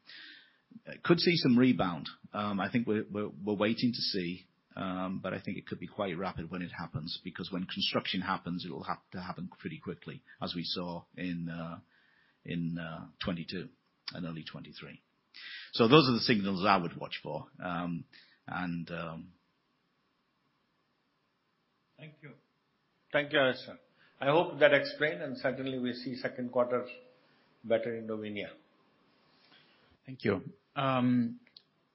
could see some rebound. I think we're waiting to see, but I think it could be quite rapid when it happens because when construction happens, it'll have to happen pretty quickly, as we saw in 2022 and early 2023. So those are the signals I would watch for. And. Thank you. Thank you, Alastair. I hope that explained. Certainly, we see second quarter better Indovinya. Thank you.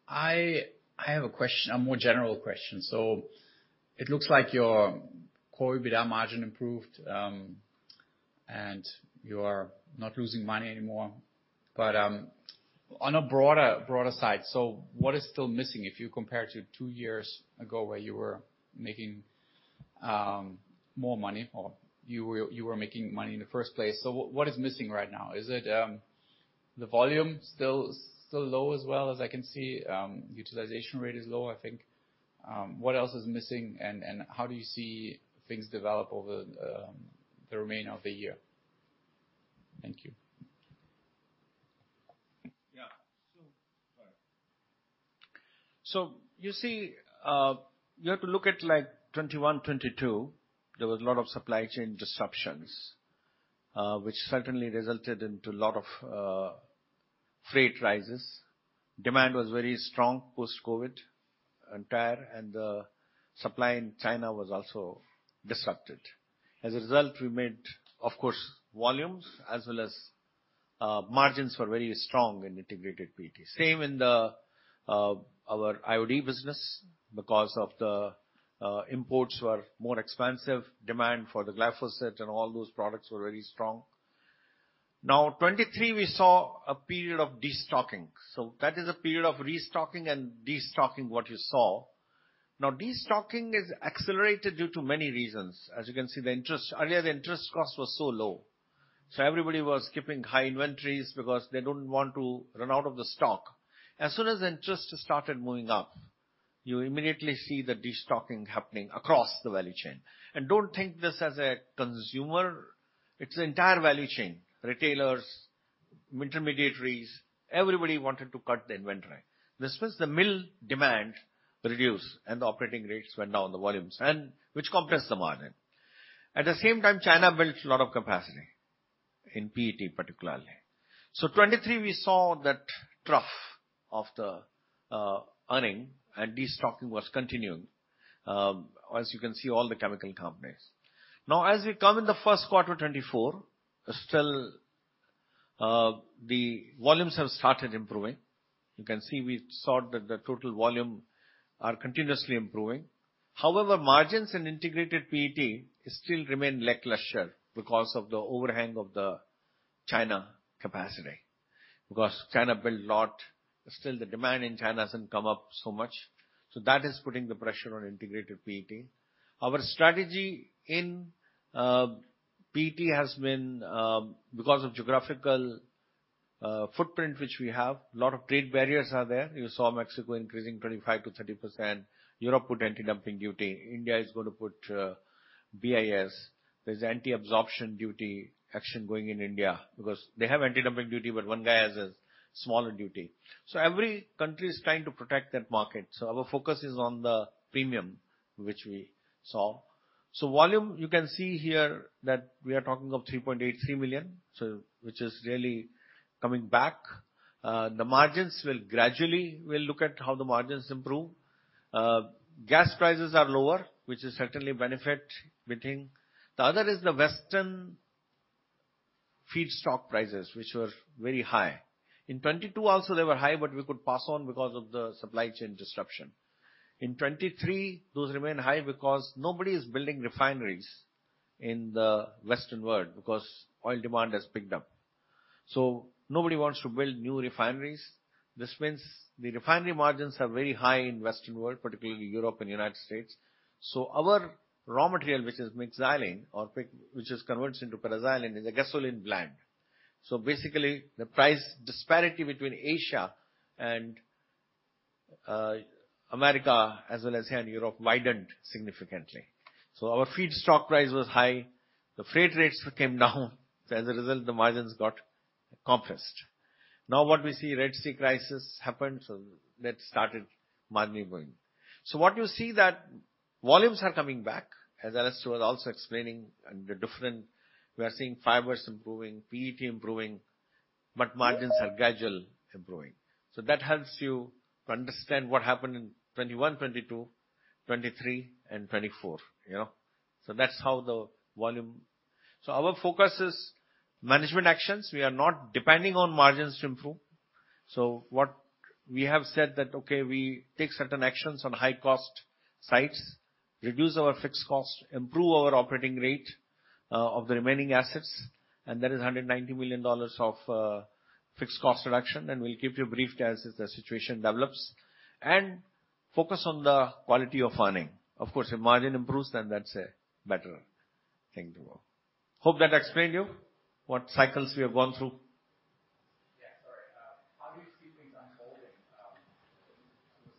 I have a question, a more general question. So it looks like your CPET margin improved, and you are not losing money anymore. But on a broader side, so what is still missing if you compare to two years ago where you were making more money or you were making money in the first place? So what is missing right now? Is it the volume still low as well as I can see? Utilization rate is low, I think. What else is missing? And how do you see things develop over the remainder of the year? Thank you. Yeah. So you see, you have to look at 2021, 2022. There was a lot of supply chain disruptions, which certainly resulted into a lot of freight rises. Demand was very strong post-COVID entire, and the supply in China was also disrupted. As a result, we made, of course, volumes as well as margins were very strong in integrated PET. Same in our IOD business because the imports were more expansive, demand for the glyphosate and all those products were very strong. Now, 2023, we saw a period of destocking. So that is a period of restocking and destocking what you saw. Now, destocking is accelerated due to many reasons. As you can see, earlier, the interest cost was so low. So everybody was keeping high inventories because they don't want to run out of the stock. As soon as interest started moving up, you immediately see the destocking happening across the value chain. And don't think this as a consumer. It's the entire value chain, retailers, intermediaries. Everybody wanted to cut the inventory. This means the mill demand reduced, and the operating rates went down, the volumes, which compensates the margin. At the same time, China built a lot of capacity in PET, particularly. So 2023, we saw that trough of the earnings, and destocking was continuing, as you can see, all the chemical companies. Now, as we come in the first quarter 2024, still, the volumes have started improving. You can see we saw that the total volume are continuously improving. However, margins in integrated PET still remain lackluster because of the overhang of the China capacity because China built a lot. Still, the demand in China hasn't come up so much. So that is putting the pressure on integrated PET. Our strategy in PET has been because of geographical footprint, which we have. A lot of trade barriers are there. You saw Mexico increasing 25%-30%. Europe put anti-dumping duty. India is going to put BIS. There's anti-absorption duty action going in India because they have anti-dumping duty, but one guy has a smaller duty. So every country is trying to protect that market. So our focus is on the premium, which we saw. So volume, you can see here that we are talking of 3.83 million, which is really coming back. The margins will gradually we'll look at how the margins improve. Gas prices are lower, which is certainly a benefit, we think. The other is the Western feedstock prices, which were very high. In 2022, also, they were high, but we could pass on because of the supply chain disruption. In 2023, those remain high because nobody is building refineries in the Western world because oil demand has picked up. So nobody wants to build new refineries. This means the refinery margins are very high in the Western world, particularly Europe and United States. So our raw material, which is mixed xylene or which is converted into paraxylene, is a gasoline blend. So basically, the price disparity between Asia and America as well as here in Europe widened significantly. So our feedstock price was high. The freight rates came down. So as a result, the margins got compensated. Now, what we see, Red Sea crisis happened. So that started margin improvement. So what you see that volumes are coming back, as Alastair was also explaining, and the difference we are seeing fibers improving, PET improving, but margins are gradually improving. So that helps you to understand what happened in 2021, 2022, 2023, and 2024. So that's how the volume so our focus is management actions. We are not depending on margins to improve. So what we have said that, okay, we take certain actions on high-cost sites, reduce our fixed cost, improve our operating rate of the remaining assets. And there is $190 million of fixed cost reduction. And we'll keep you briefed as the situation develops and focus on the quality of earnings. Of course, if margin improves, then that's a better thing to go. Hope that explained you what cycles we have gone through. Yeah. Sorry. How do you see things unfolding toward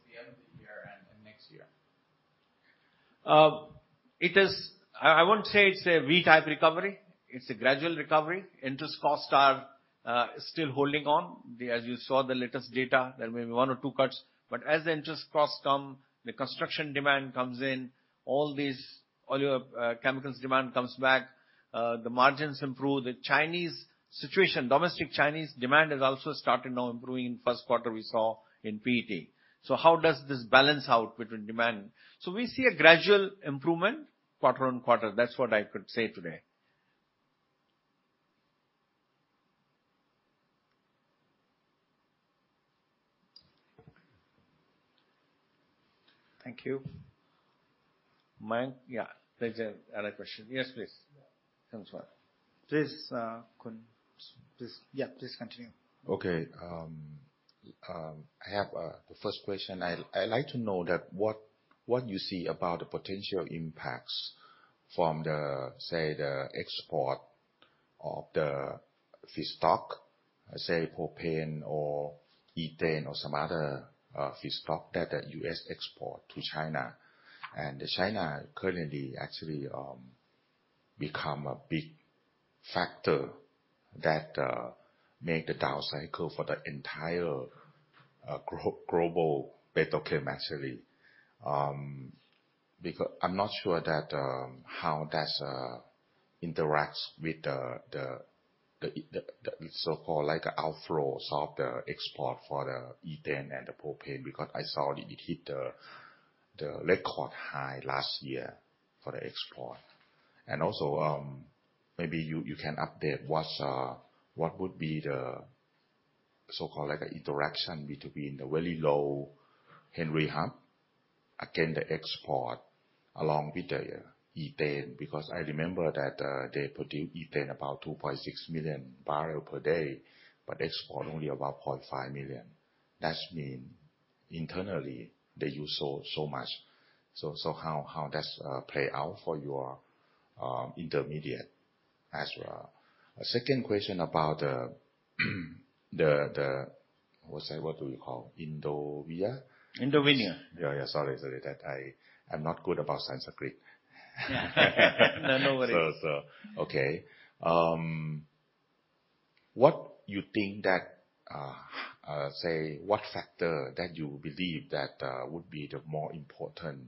the end of the year and next year? I won't say it's a V-type recovery. It's a gradual recovery. Interest costs are still holding on. As you saw the latest data, there may be one or two cuts. But as the interest costs come, the construction demand comes in, all these oil chemicals demand comes back, the margins improve. The domestic Chinese demand has also started now improving in the first quarter we saw in PET. So how does this balance out between demand? So we see a gradual improvement quarter on quarter. That's what I could say today. Thank you. Yeah. There's another question. Yes, please. Please, Kumar. Yeah. Please continue. Okay. I have the first question. I'd like to know what you see about the potential impacts from, say, the export of the feedstock, say, propane or ethane or some other feedstock that the U.S. exports to China. And China currently actually becomes a big factor that makes the down cycle for the entire global petrochem actually because I'm not sure how that interacts with the so-called outflows of the export for the ethane and the propane because I saw it hit the record high last year for the export. And also, maybe you can update what would be the so-called interaction between the very low Henry Hub against the export along with the ethane because I remember that they produce ethane about 2.6 million barrels per day, but export only about 500,000 million barrels. That means internally, they use so much. So how does that play out for your intermediate as well? Second question about the what do you call? Indovinya? Indovinya. Yeah. Yeah. Sorry. Sorry that I am not good about Sanskrit. Yeah. No. No worries. Okay. What do you think that, say, what factor that you believe that would be the more important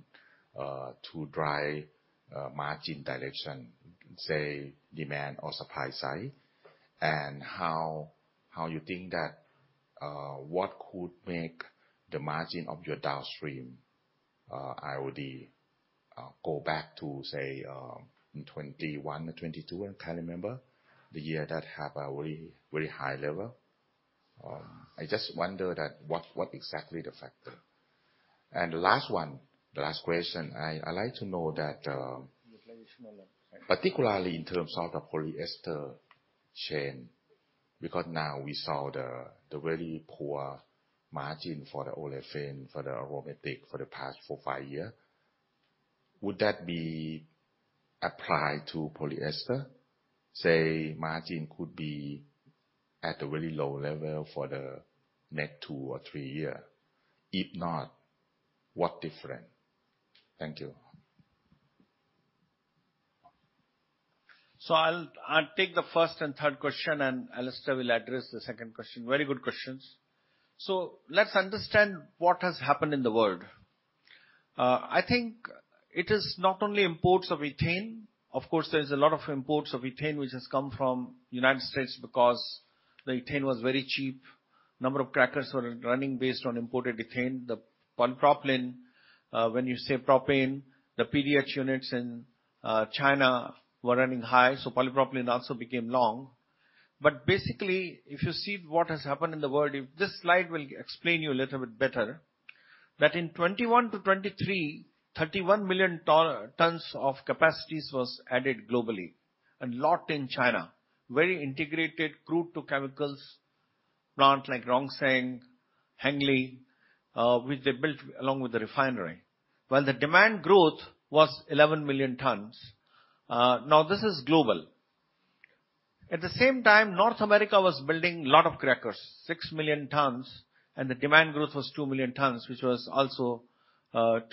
to drive margin direction, say, demand or supply side, and how you think that what could make the margin of your downstream IOD go back to, say, in 2021 or 2022? I can't remember the year that had a very high level. I just wonder what exactly the factor. And the last one, the last question, I'd like to know that particularly in terms of the polyester chain because now we saw the very poor margin for the olefin, for the aromatic for the past four, five years. Would that be applied to polyester? Say, margin could be at a very low level for the next two or three years. If not, what different? Thank you. So I'll take the first and third question, and Alastair will address the second question. Very good questions. So let's understand what has happened in the world. I think it is not only imports of ethane. Of course, there is a lot of imports of ethane, which has come from the United States because the ethane was very cheap. A number of crackers were running based on imported ethane. The polypropylene, when you say propane, the PDH units in China were running high. So polypropylene also became long. But basically, if you see what has happened in the world, this slide will explain you a little bit better that in 2021 to 2023, 31 million tons of capacities were added globally and locked in China, very integrated crude-to-chemicals plant like Rongsheng, Hengli, which they built along with the refinery. While the demand growth was 11 million tons, now this is global. At the same time, North America was building a lot of crackers, six million tons, and the demand growth was two million tons, which was also 2%.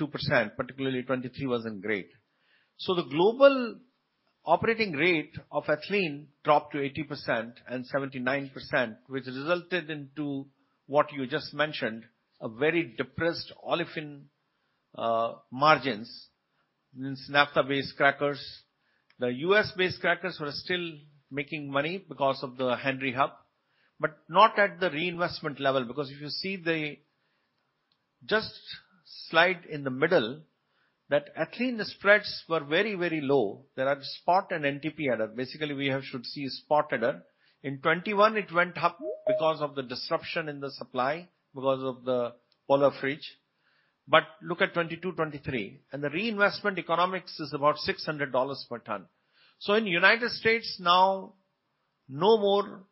Particularly, 2023 wasn't great. So the global operating rate of ethylene dropped to 80% and 79%, which resulted into what you just mentioned, a very depressed olefin margins in Naphtha-based crackers. The U.S.-based crackers were still making money because of the Henry Hub but not at the reinvestment level because if you see the just slide in the middle, that ethylene spreads were very, very low. There are spot and NTP adder. Basically, we should see spot adder. In 2021, it went up because of the disruption in the supply because of the winter freeze. But look at 2022, 2023, and the reinvestment economics is about $600 per ton. So in the United States, now, no more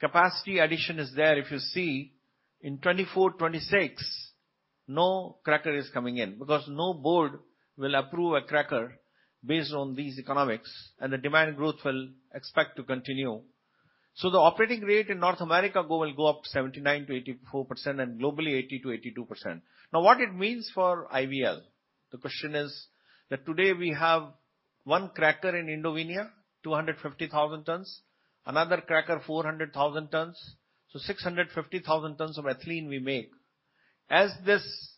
capacity addition is there. If you see in 2024, 2026, no cracker is coming in because no board will approve a cracker based on these economics, and the demand growth will expect to continue. So the operating rate in North America will go up to 79%-84% and globally 80%-82%. Now, what it means for IVL, the question is that today, we have one cracker in Indovinya, 250,000 tons, another cracker, 400,000 tons. So 650,000 tons of ethylene we make. As these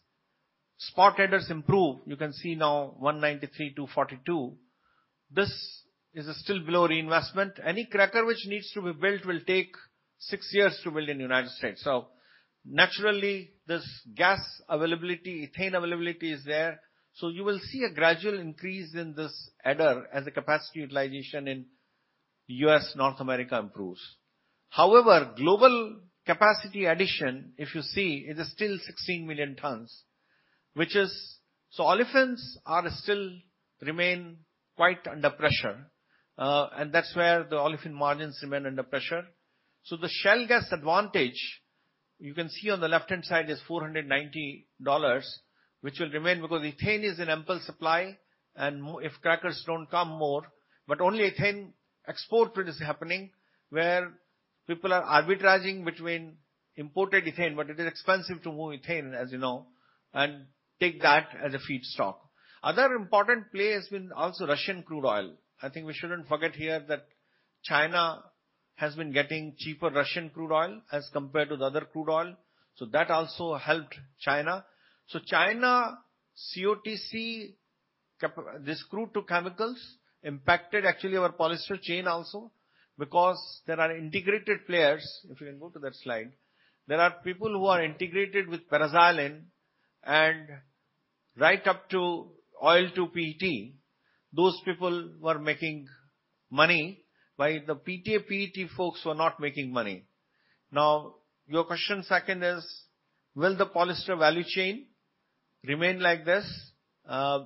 spot adders improve, you can see now 193, 242. This is still below reinvestment. Any cracker which needs to be built will take six years to build in the United States. So naturally, this gas availability, ethane availability is there. So you will see a gradual increase in this adder as the capacity utilization in the U.S., North America improves. However, global capacity addition, if you see, it is still 16 million tons, which is so olefins remain quite under pressure, and that's where the olefin margins remain under pressure. So the shale gas advantage, you can see on the left-hand side, is $490, which will remain because ethane is in ample supply. And if crackers don't come more, but only ethane export is happening where people are arbitraging between imported ethane, but it is expensive to move ethane, as you know, and take that as a feedstock. Other important play has been also Russian crude oil. I think we shouldn't forget here that China has been getting cheaper Russian crude oil as compared to the other crude oil. So that also helped China. So China COTC, this crude-to-chemicals, impacted actually our polyester chain also because there are integrated players. If you can go to that slide, there are people who are integrated with paraxylene. And right up to oil to PET, those people were making money while the PET folks were not making money. Now, your question second is, will the polyester value chain remain like this? In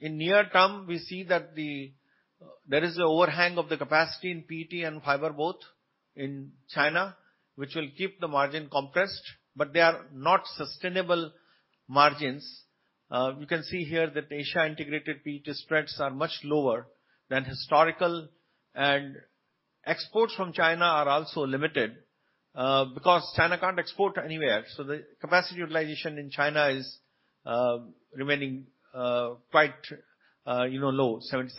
the near term, we see that there is an overhang of the capacity in PET and fiber both in China, which will keep the margin compressed, but they are not sustainable margins. You can see here that Asia-integrated PET spreads are much lower than historical, and exports from China are also limited because China can't export anywhere. So the capacity utilization in China is remaining quite low, 77%.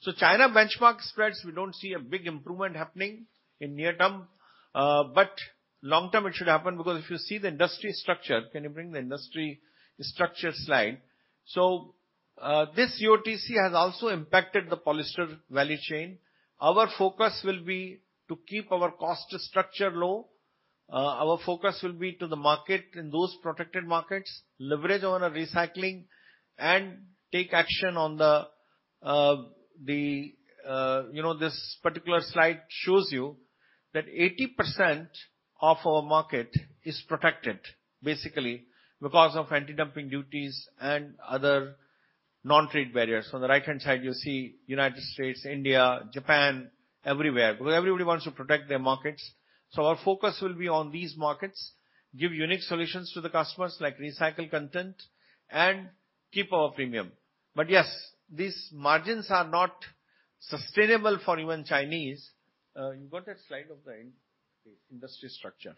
So, China benchmark spreads, we don't see a big improvement happening in the near term, but long term, it should happen because if you see the industry structure. Can you bring the industry structure slide? So, this COTC has also impacted the polyester value chain. Our focus will be to keep our cost structure low. Our focus will be to the market in those protected markets, leverage on our recycling, and take action on the—this particular slide shows you that 80% of our market is protected basically because of anti-dumping duties and other non-trade barriers. So, on the right-hand side, you see United States, India, Japan, everywhere because everybody wants to protect their markets. So, our focus will be on these markets, give unique solutions to the customers like recycled content, and keep our premium. But yes, these margins are not sustainable for even Chinese. You got that slide of the industry structure.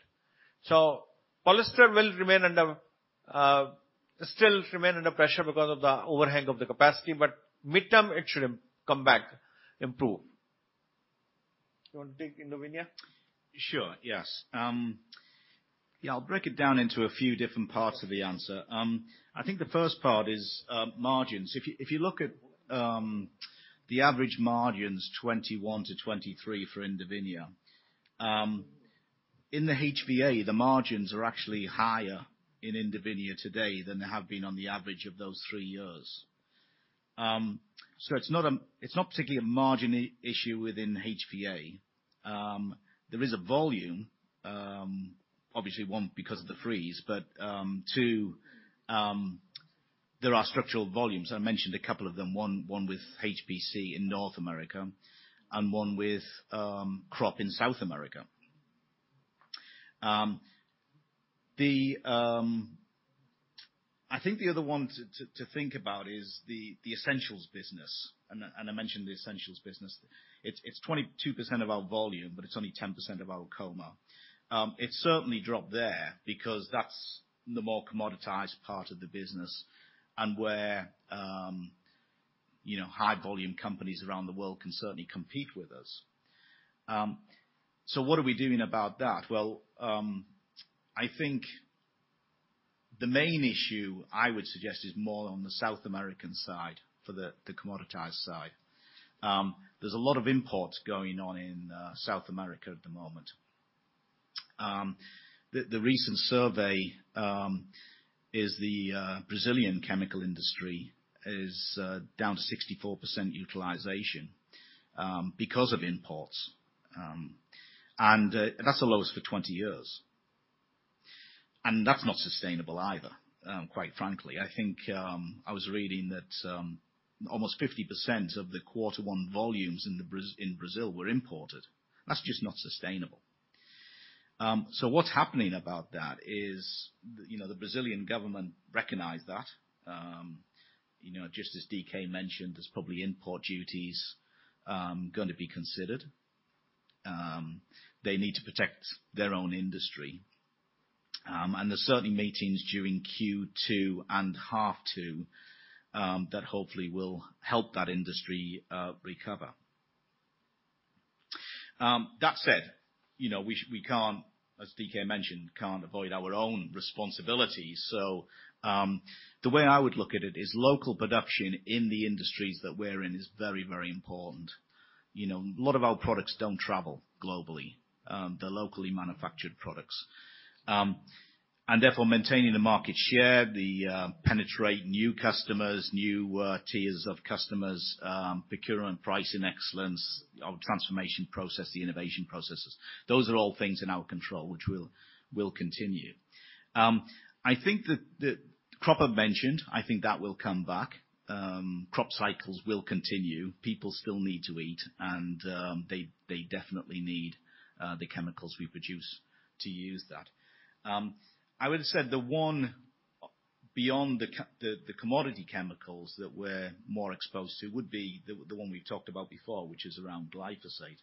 So polyester will still remain under pressure because of the overhang of the capacity, but mid-term, it should come back improve. You want to take Indovinya? Sure. Yes. Yeah. I'll break it down into a few different parts of the answer. I think the first part is margins. If you look at the average margins, 2021 to 2023 for Indovinya, in the HVA, the margins are actually higher in Indovinya today than they have been on the average of those three years. So it's not particularly a margin issue within HVA. There is a volume, obviously, one, because of the freeze, but two, there are structural volumes. I mentioned a couple of them, one with HPC in North America and one with crop in South America. I think the other one to think about is the essentials business, and I mentioned the essentials business. It's 22% of our volume, but it's only 10% of our EBITDA. It's certainly dropped there because that's the more commoditized part of the business and where high-volume companies around the world can certainly compete with us. So what are we doing about that? Well, I think the main issue I would suggest is more on the South American side for the commoditized side. There's a lot of imports going on in South America at the moment. The recent survey is the Brazilian chemical industry is down to 64% utilization because of imports, and that's the lowest for 20 years. And that's not sustainable either, quite frankly. I think I was reading that almost 50% of the quarter one volumes in Brazil were imported. That's just not sustainable. So what's happening about that is the Brazilian government recognized that. Just as DK mentioned, there's probably import duties going to be considered. They need to protect their own industry. There's certainly meetings during Q2 and half two that hopefully will help that industry recover. That said, we can't, as DK mentioned, avoid our own responsibilities. The way I would look at it is local production in the industries that we're in is very, very important. A lot of our products don't travel globally. They're locally manufactured products. And therefore, maintaining the market share, the penetrate new customers, new tiers of customers, procurement price in excellence, our transformation process, the innovation processes, those are all things in our control which will continue. I think that crop I mentioned, I think that will come back. Crop cycles will continue. People still need to eat, and they definitely need the chemicals we produce to use that. I would have said the one beyond the commodity chemicals that we're more exposed to would be the one we've talked about before, which is around glyphosate.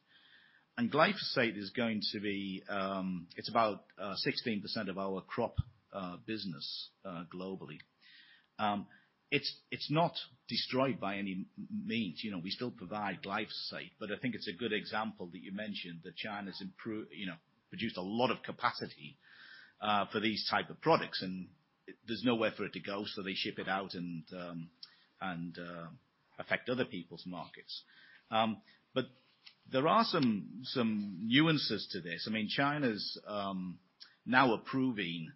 And glyphosate is going to be. It's about 16% of our crop business globally. It's not destroyed by any means. We still provide glyphosate, but I think it's a good example that you mentioned that China's produced a lot of capacity for these type of products, and there's nowhere for it to go, so they ship it out and affect other people's markets. But there are some nuances to this. I mean, China's now approving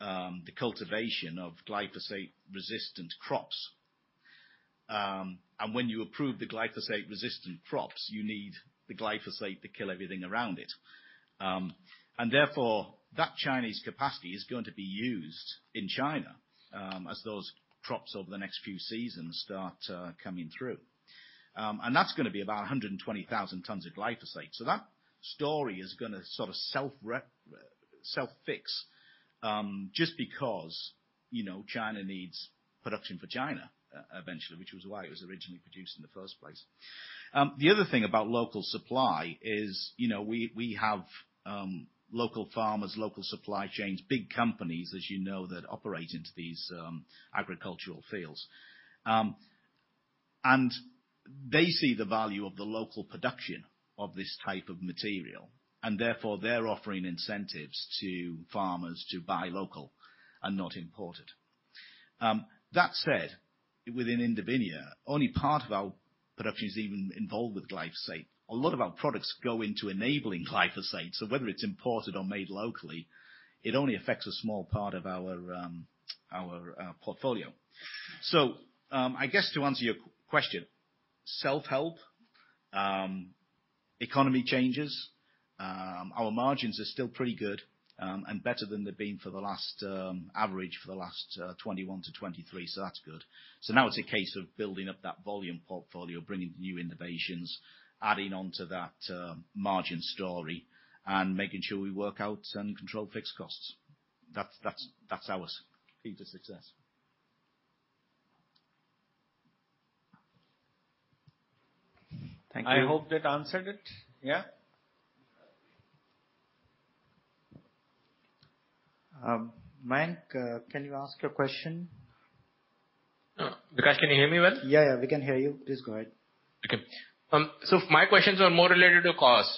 the cultivation of glyphosate-resistant crops. And when you approve the glyphosate-resistant crops, you need the glyphosate to kill everything around it. And therefore, that Chinese capacity is going to be used in China as those crops over the next few seasons start coming through. That's going to be about 120,000 tons of glyphosate. That story is going to sort of self-fix just because China needs production for China eventually, which was why it was originally produced in the first place. The other thing about local supply is we have local farmers, local supply chains, big companies, as you know, that operate into these agricultural fields. They see the value of the local production of this type of material, and therefore, they're offering incentives to farmers to buy local and not imported. That said, within Indovinya, only part of our production is even involved with glyphosate. A lot of our products go into enabling glyphosate. Whether it's imported or made locally, it only affects a small part of our portfolio. So I guess to answer your question, self-help, economy changes, our margins are still pretty good and better than they've been for the last average for the last 2021 to 2023, so that's good. So now it's a case of building up that volume portfolio, bringing new innovations, adding onto that margin story, and making sure we work out and control fixed costs. That's our key to success. Thank you. I hope that answered it. Yeah? Mayank, can you ask a question? Vikash, can you hear me well? Yeah, yeah. We can hear you. Please go ahead. Okay. My questions are more related to cost.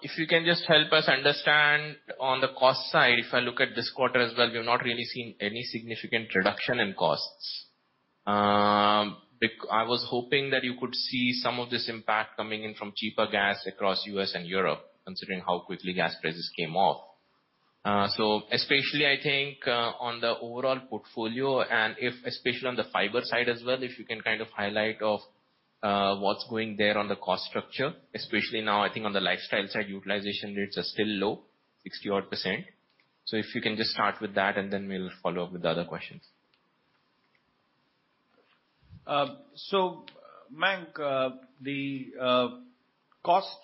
If you can just help us understand on the cost side, if I look at this quarter as well, we've not really seen any significant reduction in costs. I was hoping that you could see some of this impact coming in from cheaper gas across U.S. and Europe considering how quickly gas prices came off. Especially, I think, on the overall portfolio and especially on the fiber side as well, if you can kind of highlight what's going there on the cost structure, especially now, I think, on the lifestyle side, utilization rates are still low, 60-odd %. If you can just start with that, and then we'll follow up with the other questions. Mayank, the cost,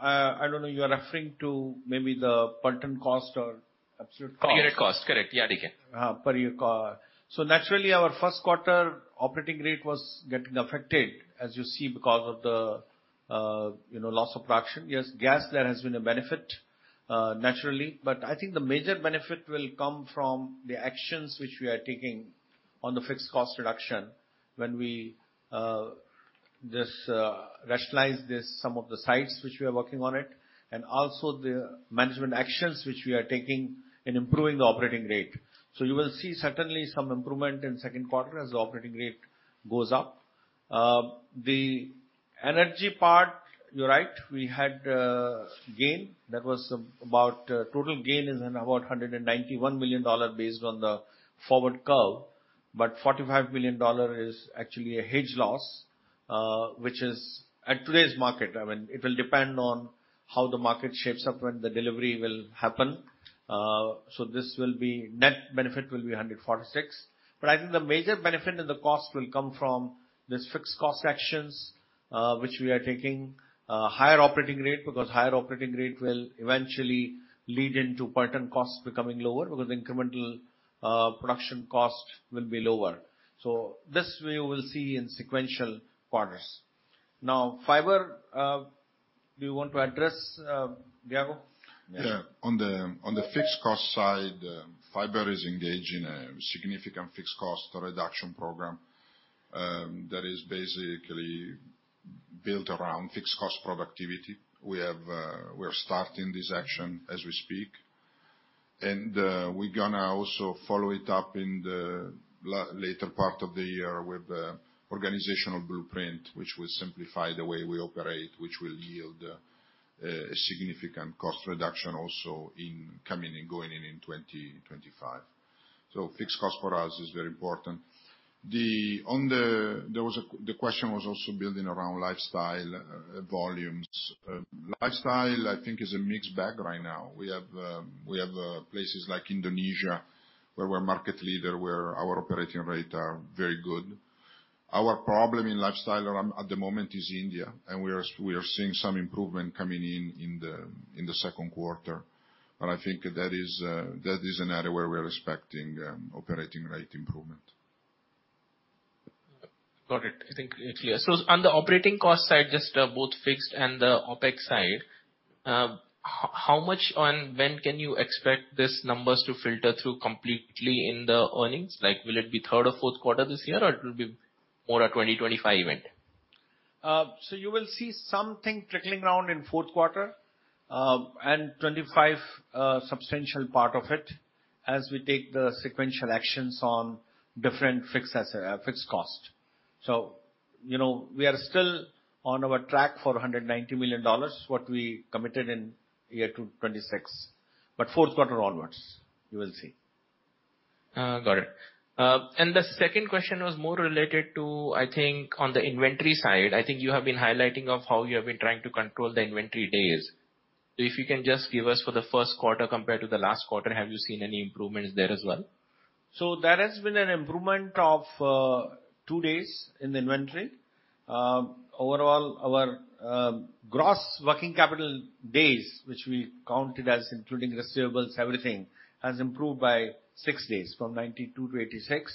I don't know, you're referring to maybe the per ton cost or absolute cost? Per unit cost. Correct. Yeah, DK. Ha, per unit cost. So naturally, our first quarter operating rate was getting affected, as you see, because of the loss of production. Yes, gas, there has been a benefit, naturally, but I think the major benefit will come from the actions which we are taking on the fixed cost reduction when we rationalize some of the sites which we are working on it and also the management actions which we are taking in improving the operating rate. So you will see certainly some improvement in second quarter as the operating rate goes up. The energy part, you're right. We had gain. That was about total gain is about $191 million based on the forward curve, but $45 million is actually a hedge loss, which is at today's market. I mean, it will depend on how the market shapes up when the delivery will happen. So this will be net benefit will be 146. But I think the major benefit in the cost will come from these fixed cost actions which we are taking, higher operating rate because higher operating rate will eventually lead into per ton cost becoming lower because incremental production cost will be lower. So this we will see in sequential quarters. Now, fiber, do you want to address, Diego? Yeah. On the fixed cost side, fiber is engaged in a significant fixed cost reduction program that is basically built around fixed cost productivity. We are starting this action as we speak, and we're going to also follow it up in the later part of the year with the organizational blueprint which will simplify the way we operate, which will yield a significant cost reduction also coming and going in 2025. So fixed cost for us is very important. The question was also building around lifestyle volumes. Lifestyle, I think, is a mixed bag right now. We have places like Indonesia where we're market leader, where our operating rates are very good. Our problem in lifestyle at the moment is India, and we are seeing some improvement coming in in the second quarter. But I think that is an area where we're expecting operating rate improvement. Got it. I think it's clear. So on the operating cost side, just both fixed and the Opex side, how much and when can you expect these numbers to filter through completely in the earnings? Will it be third or fourth quarter this year, or it will be more a 2025 event? So you will see something trickling around in fourth quarter and 2025, a substantial part of it, as we take the sequential actions on different fixed cost. So we are still on our track for $190 million, what we committed in year 2026, but fourth quarter onward, you will see. Got it. And the second question was more related to, I think, on the inventory side. I think you have been highlighting how you have been trying to control the inventory days. So if you can just give us for the first quarter compared to the last quarter, have you seen any improvements there as well? There has been an improvement of two days in the inventory. Overall, our gross working capital days, which we counted as including receivables, everything, has improved by six days from 92 to 86.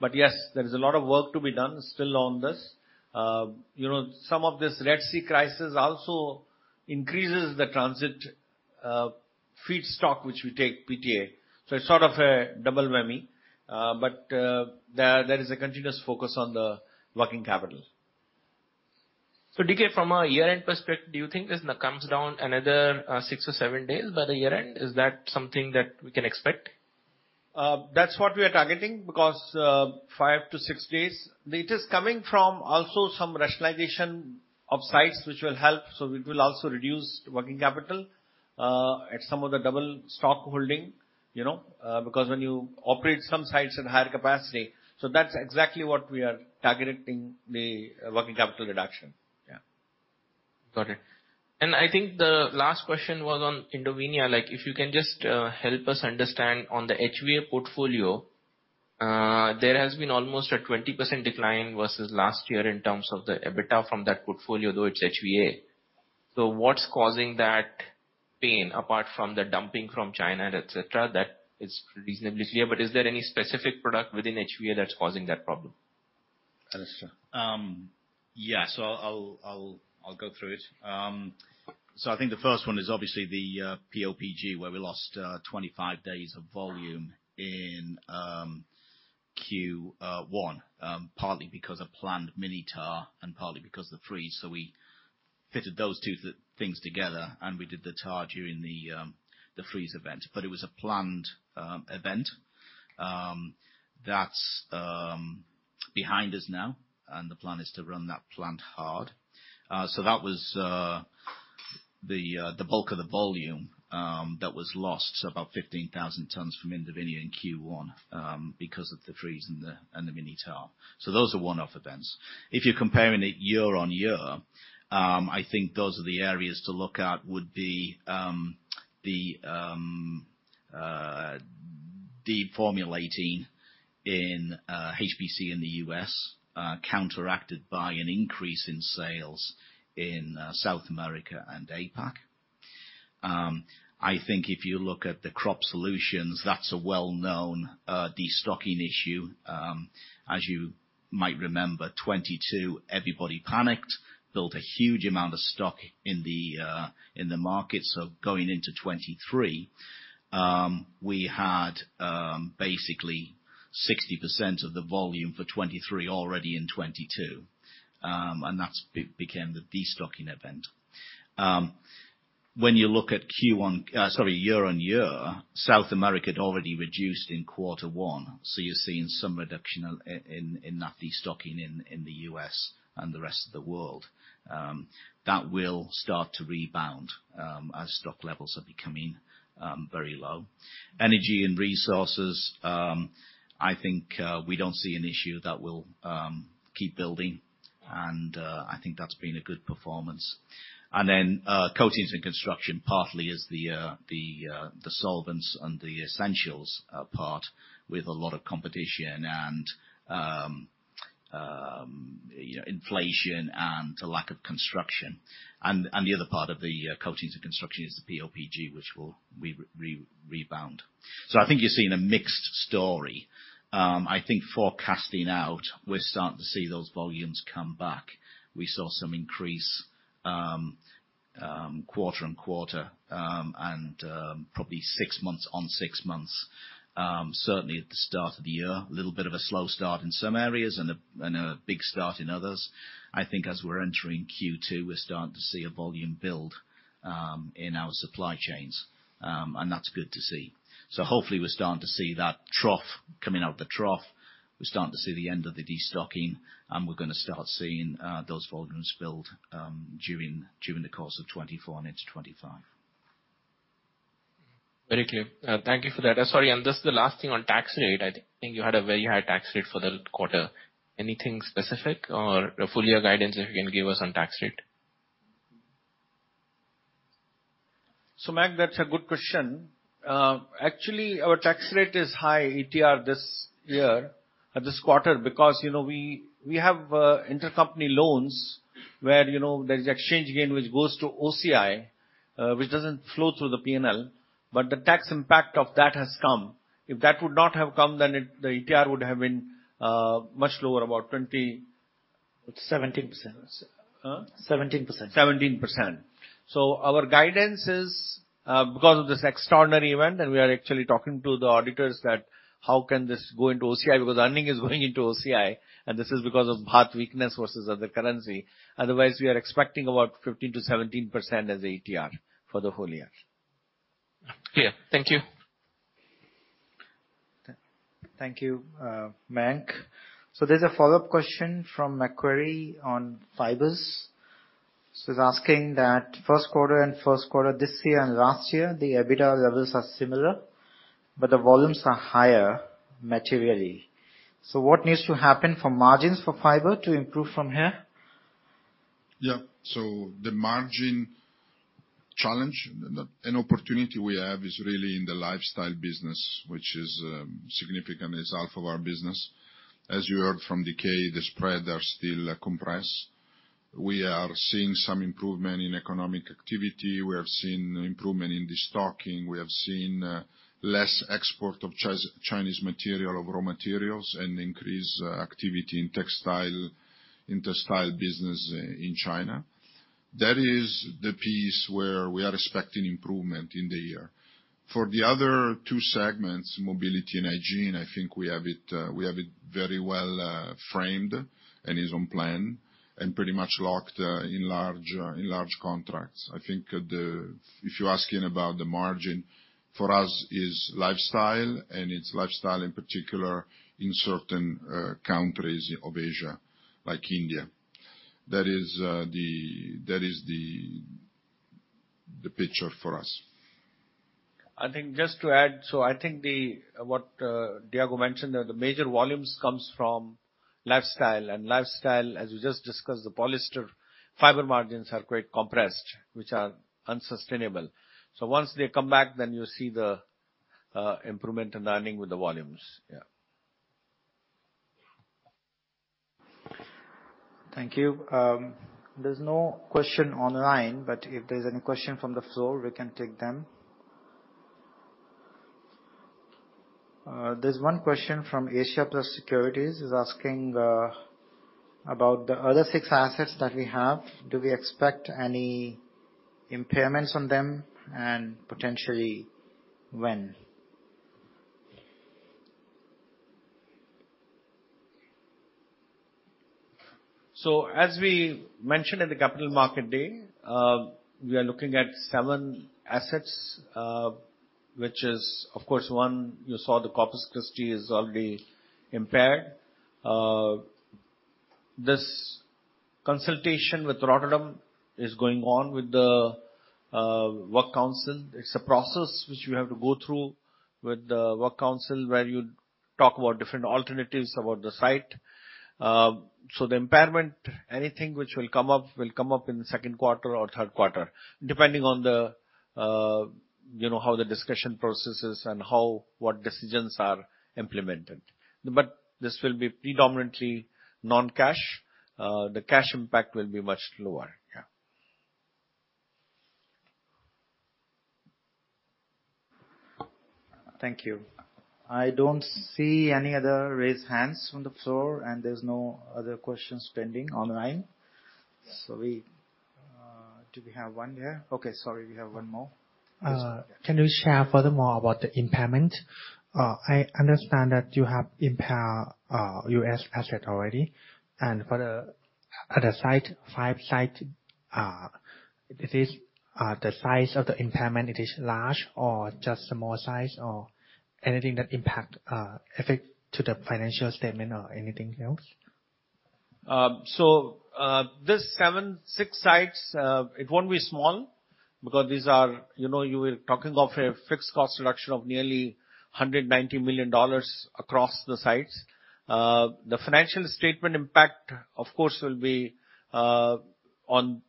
But yes, there is a lot of work to be done still on this. Some of this Red Sea crisis also increases the transit feedstock which we take, PTA. So it's sort of a double whammy, but there is a continuous focus on the working capital. So D.K., from a year-end perspective, do you think this comes down another six or seven days by the year-end? Is that something that we can expect? That's what we are targeting because five to six days. It is coming from also some rationalization of sites which will help. So it will also reduce working capital at some of the double stock holding because when you operate some sites at higher capacity so that's exactly what we are targeting, the working capital reduction. Yeah. Got it. And I think the last question was on Indovinya. If you can just help us understand, on the HVA portfolio, there has been almost a 20% decline versus last year in terms of the EBITDA from that portfolio, though it's HVA. So what's causing that pain apart from the dumping from China, etc.? That is reasonably clear. But is there any specific product within HVA that's causing that problem? Understood. Yeah. So I'll go through it. So I think the first one is obviously the PO/PG where we lost 25 days of volume in Q1, partly because of planned mini-turnaround and partly because of the freeze. So we fitted those two things together, and we did the turnaround during the freeze event. But it was a planned event that's behind us now, and the plan is to run that plant hard. So that was the bulk of the volume that was lost, about 15,000 tons from Indovinya in Q1 because of the freeze and the mini-turnaround. So those are one-off events. If you're comparing it year-on-year, I think those are the areas to look at would be the DEEP Formula 18 in HPC in the US counteracted by an increase in sales in South America and APAC. I think if you look at the crop solutions, that's a well-known destocking issue. As you might remember, 2022, everybody panicked, built a huge amount of stock in the market. So going into 2023, we had basically 60% of the volume for 2023 already in 2022, and that became the destocking event. When you look at Q1 sorry, year-on-year, South America had already reduced in quarter one. So you're seeing some reduction in that destocking in the U.S. and the rest of the world. That will start to rebound as stock levels are becoming very low. Energy and resources, I think we don't see an issue that will keep building, and I think that's been a good performance. And then coatings and construction, partly as the solvents and the essentials part with a lot of competition and inflation and a lack of construction. And the other part of the coatings and construction is the PO/PG, which will rebound. So I think you're seeing a mixed story. I think forecasting out, we're starting to see those volumes come back. We saw some increase quarter-on-quarter and probably six months-on-six months, certainly at the start of the year, a little bit of a slow start in some areas and a big start in others. I think as we're entering Q2, we're starting to see a volume build in our supply chains, and that's good to see. So hopefully, we're starting to see that trough coming out of the trough. We're starting to see the end of the destocking, and we're going to start seeing those volumes build during the course of 2024 and into 2025. Very clear. Thank you for that. Sorry. And just the last thing on tax rate. I think you had a very high tax rate for the quarter. Anything specific or a full-year guidance if you can give us on tax rate? Mayank, that's a good question. Actually, our tax rate is high, ETR, this year at this quarter because we have intercompany loans where there's exchange gain which goes to OCI, which doesn't flow through the P&L, but the tax impact of that has come. If that would not have come, then the ETR would have been much lower, about 20%. It's 17%. Huh? 17%. 17%. So our guidance is because of this extraordinary event, and we are actually talking to the auditors that how can this go into OCI because earnings is going into OCI, and this is because of baht weakness versus other currency. Otherwise, we are expecting about 15%-17% as a ETR for the whole year. Clear. Thank you. Thank you, Mayank. So there's a follow-up question from Macquarie on fibers. So he's asking that first quarter and first quarter this year and last year, the EBITDA levels are similar, but the volumes are higher materially. So what needs to happen for margins for fiber to improve from here? Yeah. So the margin challenge and opportunity we have is really in the lifestyle business, which is significant. It's half of our business. As you heard from DK, the spreads are still compressed. We are seeing some improvement in economic activity. We have seen improvement in destocking. We have seen less export of Chinese material or raw materials and increased activity in textile business in China. That is the piece where we are expecting improvement in the year. For the other two segments, mobility and hygiene, I think we have it very well framed and is on plan and pretty much locked in large contracts. I think if you're asking about the margin, for us, it's lifestyle, and it's lifestyle in particular in certain countries of Asia like India. That is the picture for us. I think just to add, so I think what Diego mentioned, the major volumes come from lifestyle. And lifestyle, as we just discussed, the polyester fiber margins are quite compressed, which are unsustainable. So once they come back, then you see the improvement in the earnings with the volumes. Yeah. Thank you. There's no question online, but if there's any question from the floor, we can take them. There's one question from Asia Plus Securities. He's asking about the other six assets that we have. Do we expect any impairments on them, and potentially when? So as we mentioned in the capital market day, we are looking at seven assets, which is, of course, one, you saw the Corpus Christi is already impaired. This consultation with Rotterdam is going on with the work council. It's a process which you have to go through with the work council where you talk about different alternatives about the site. So the impairment, anything which will come up, will come up in the second quarter or third quarter depending on how the discussion processes and what decisions are implemented. But this will be predominantly non-cash. The cash impact will be much lower. Yeah. Thank you. I don't see any other raised hands from the floor, and there's no other questions pending online. So do we have one here? Okay. Sorry. We have one more. This one. Can you share further more about the impairment? I understand that you have impaired U.S. assets already. For the other site, five sites, the size of the impairment, it is large or just a small size or anything that affects the financial statement or anything else? So these seven, six sites, it won't be small because these are you were talking of a fixed cost reduction of nearly $190 million across the sites. The financial statement impact, of course, will be not on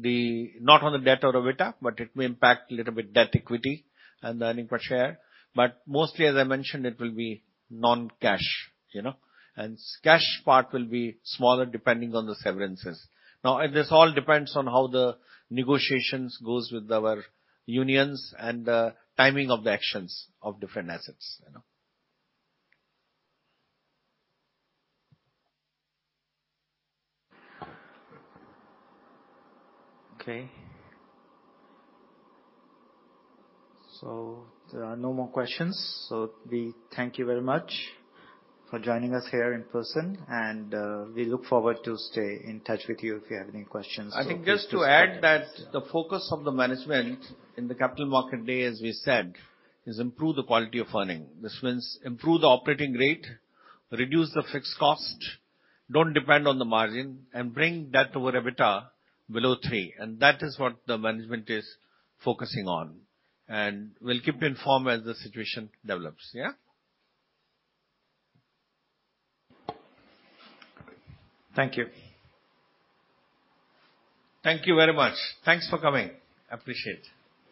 the debt or EBITDA, but it may impact a little bit debt equity and the earnings per share. But mostly, as I mentioned, it will be non-cash, and cash part will be smaller depending on the severances. Now, this all depends on how the negotiations go with our unions and the timing of the actions of different assets. Okay. There are no more questions. We thank you very much for joining us here in person, and we look forward to staying in touch with you if you have any questions. I think just to add that the focus of the management in the capital market day, as we said, is improve the quality of earning. This means improve the operating rate, reduce the fixed cost, don't depend on the margin, and bring debt over EBITDA below three. And that is what the management is focusing on. And we'll keep you informed as the situation develops. Yeah. Thank you. Thank you very much. Thanks for coming. Appreciate.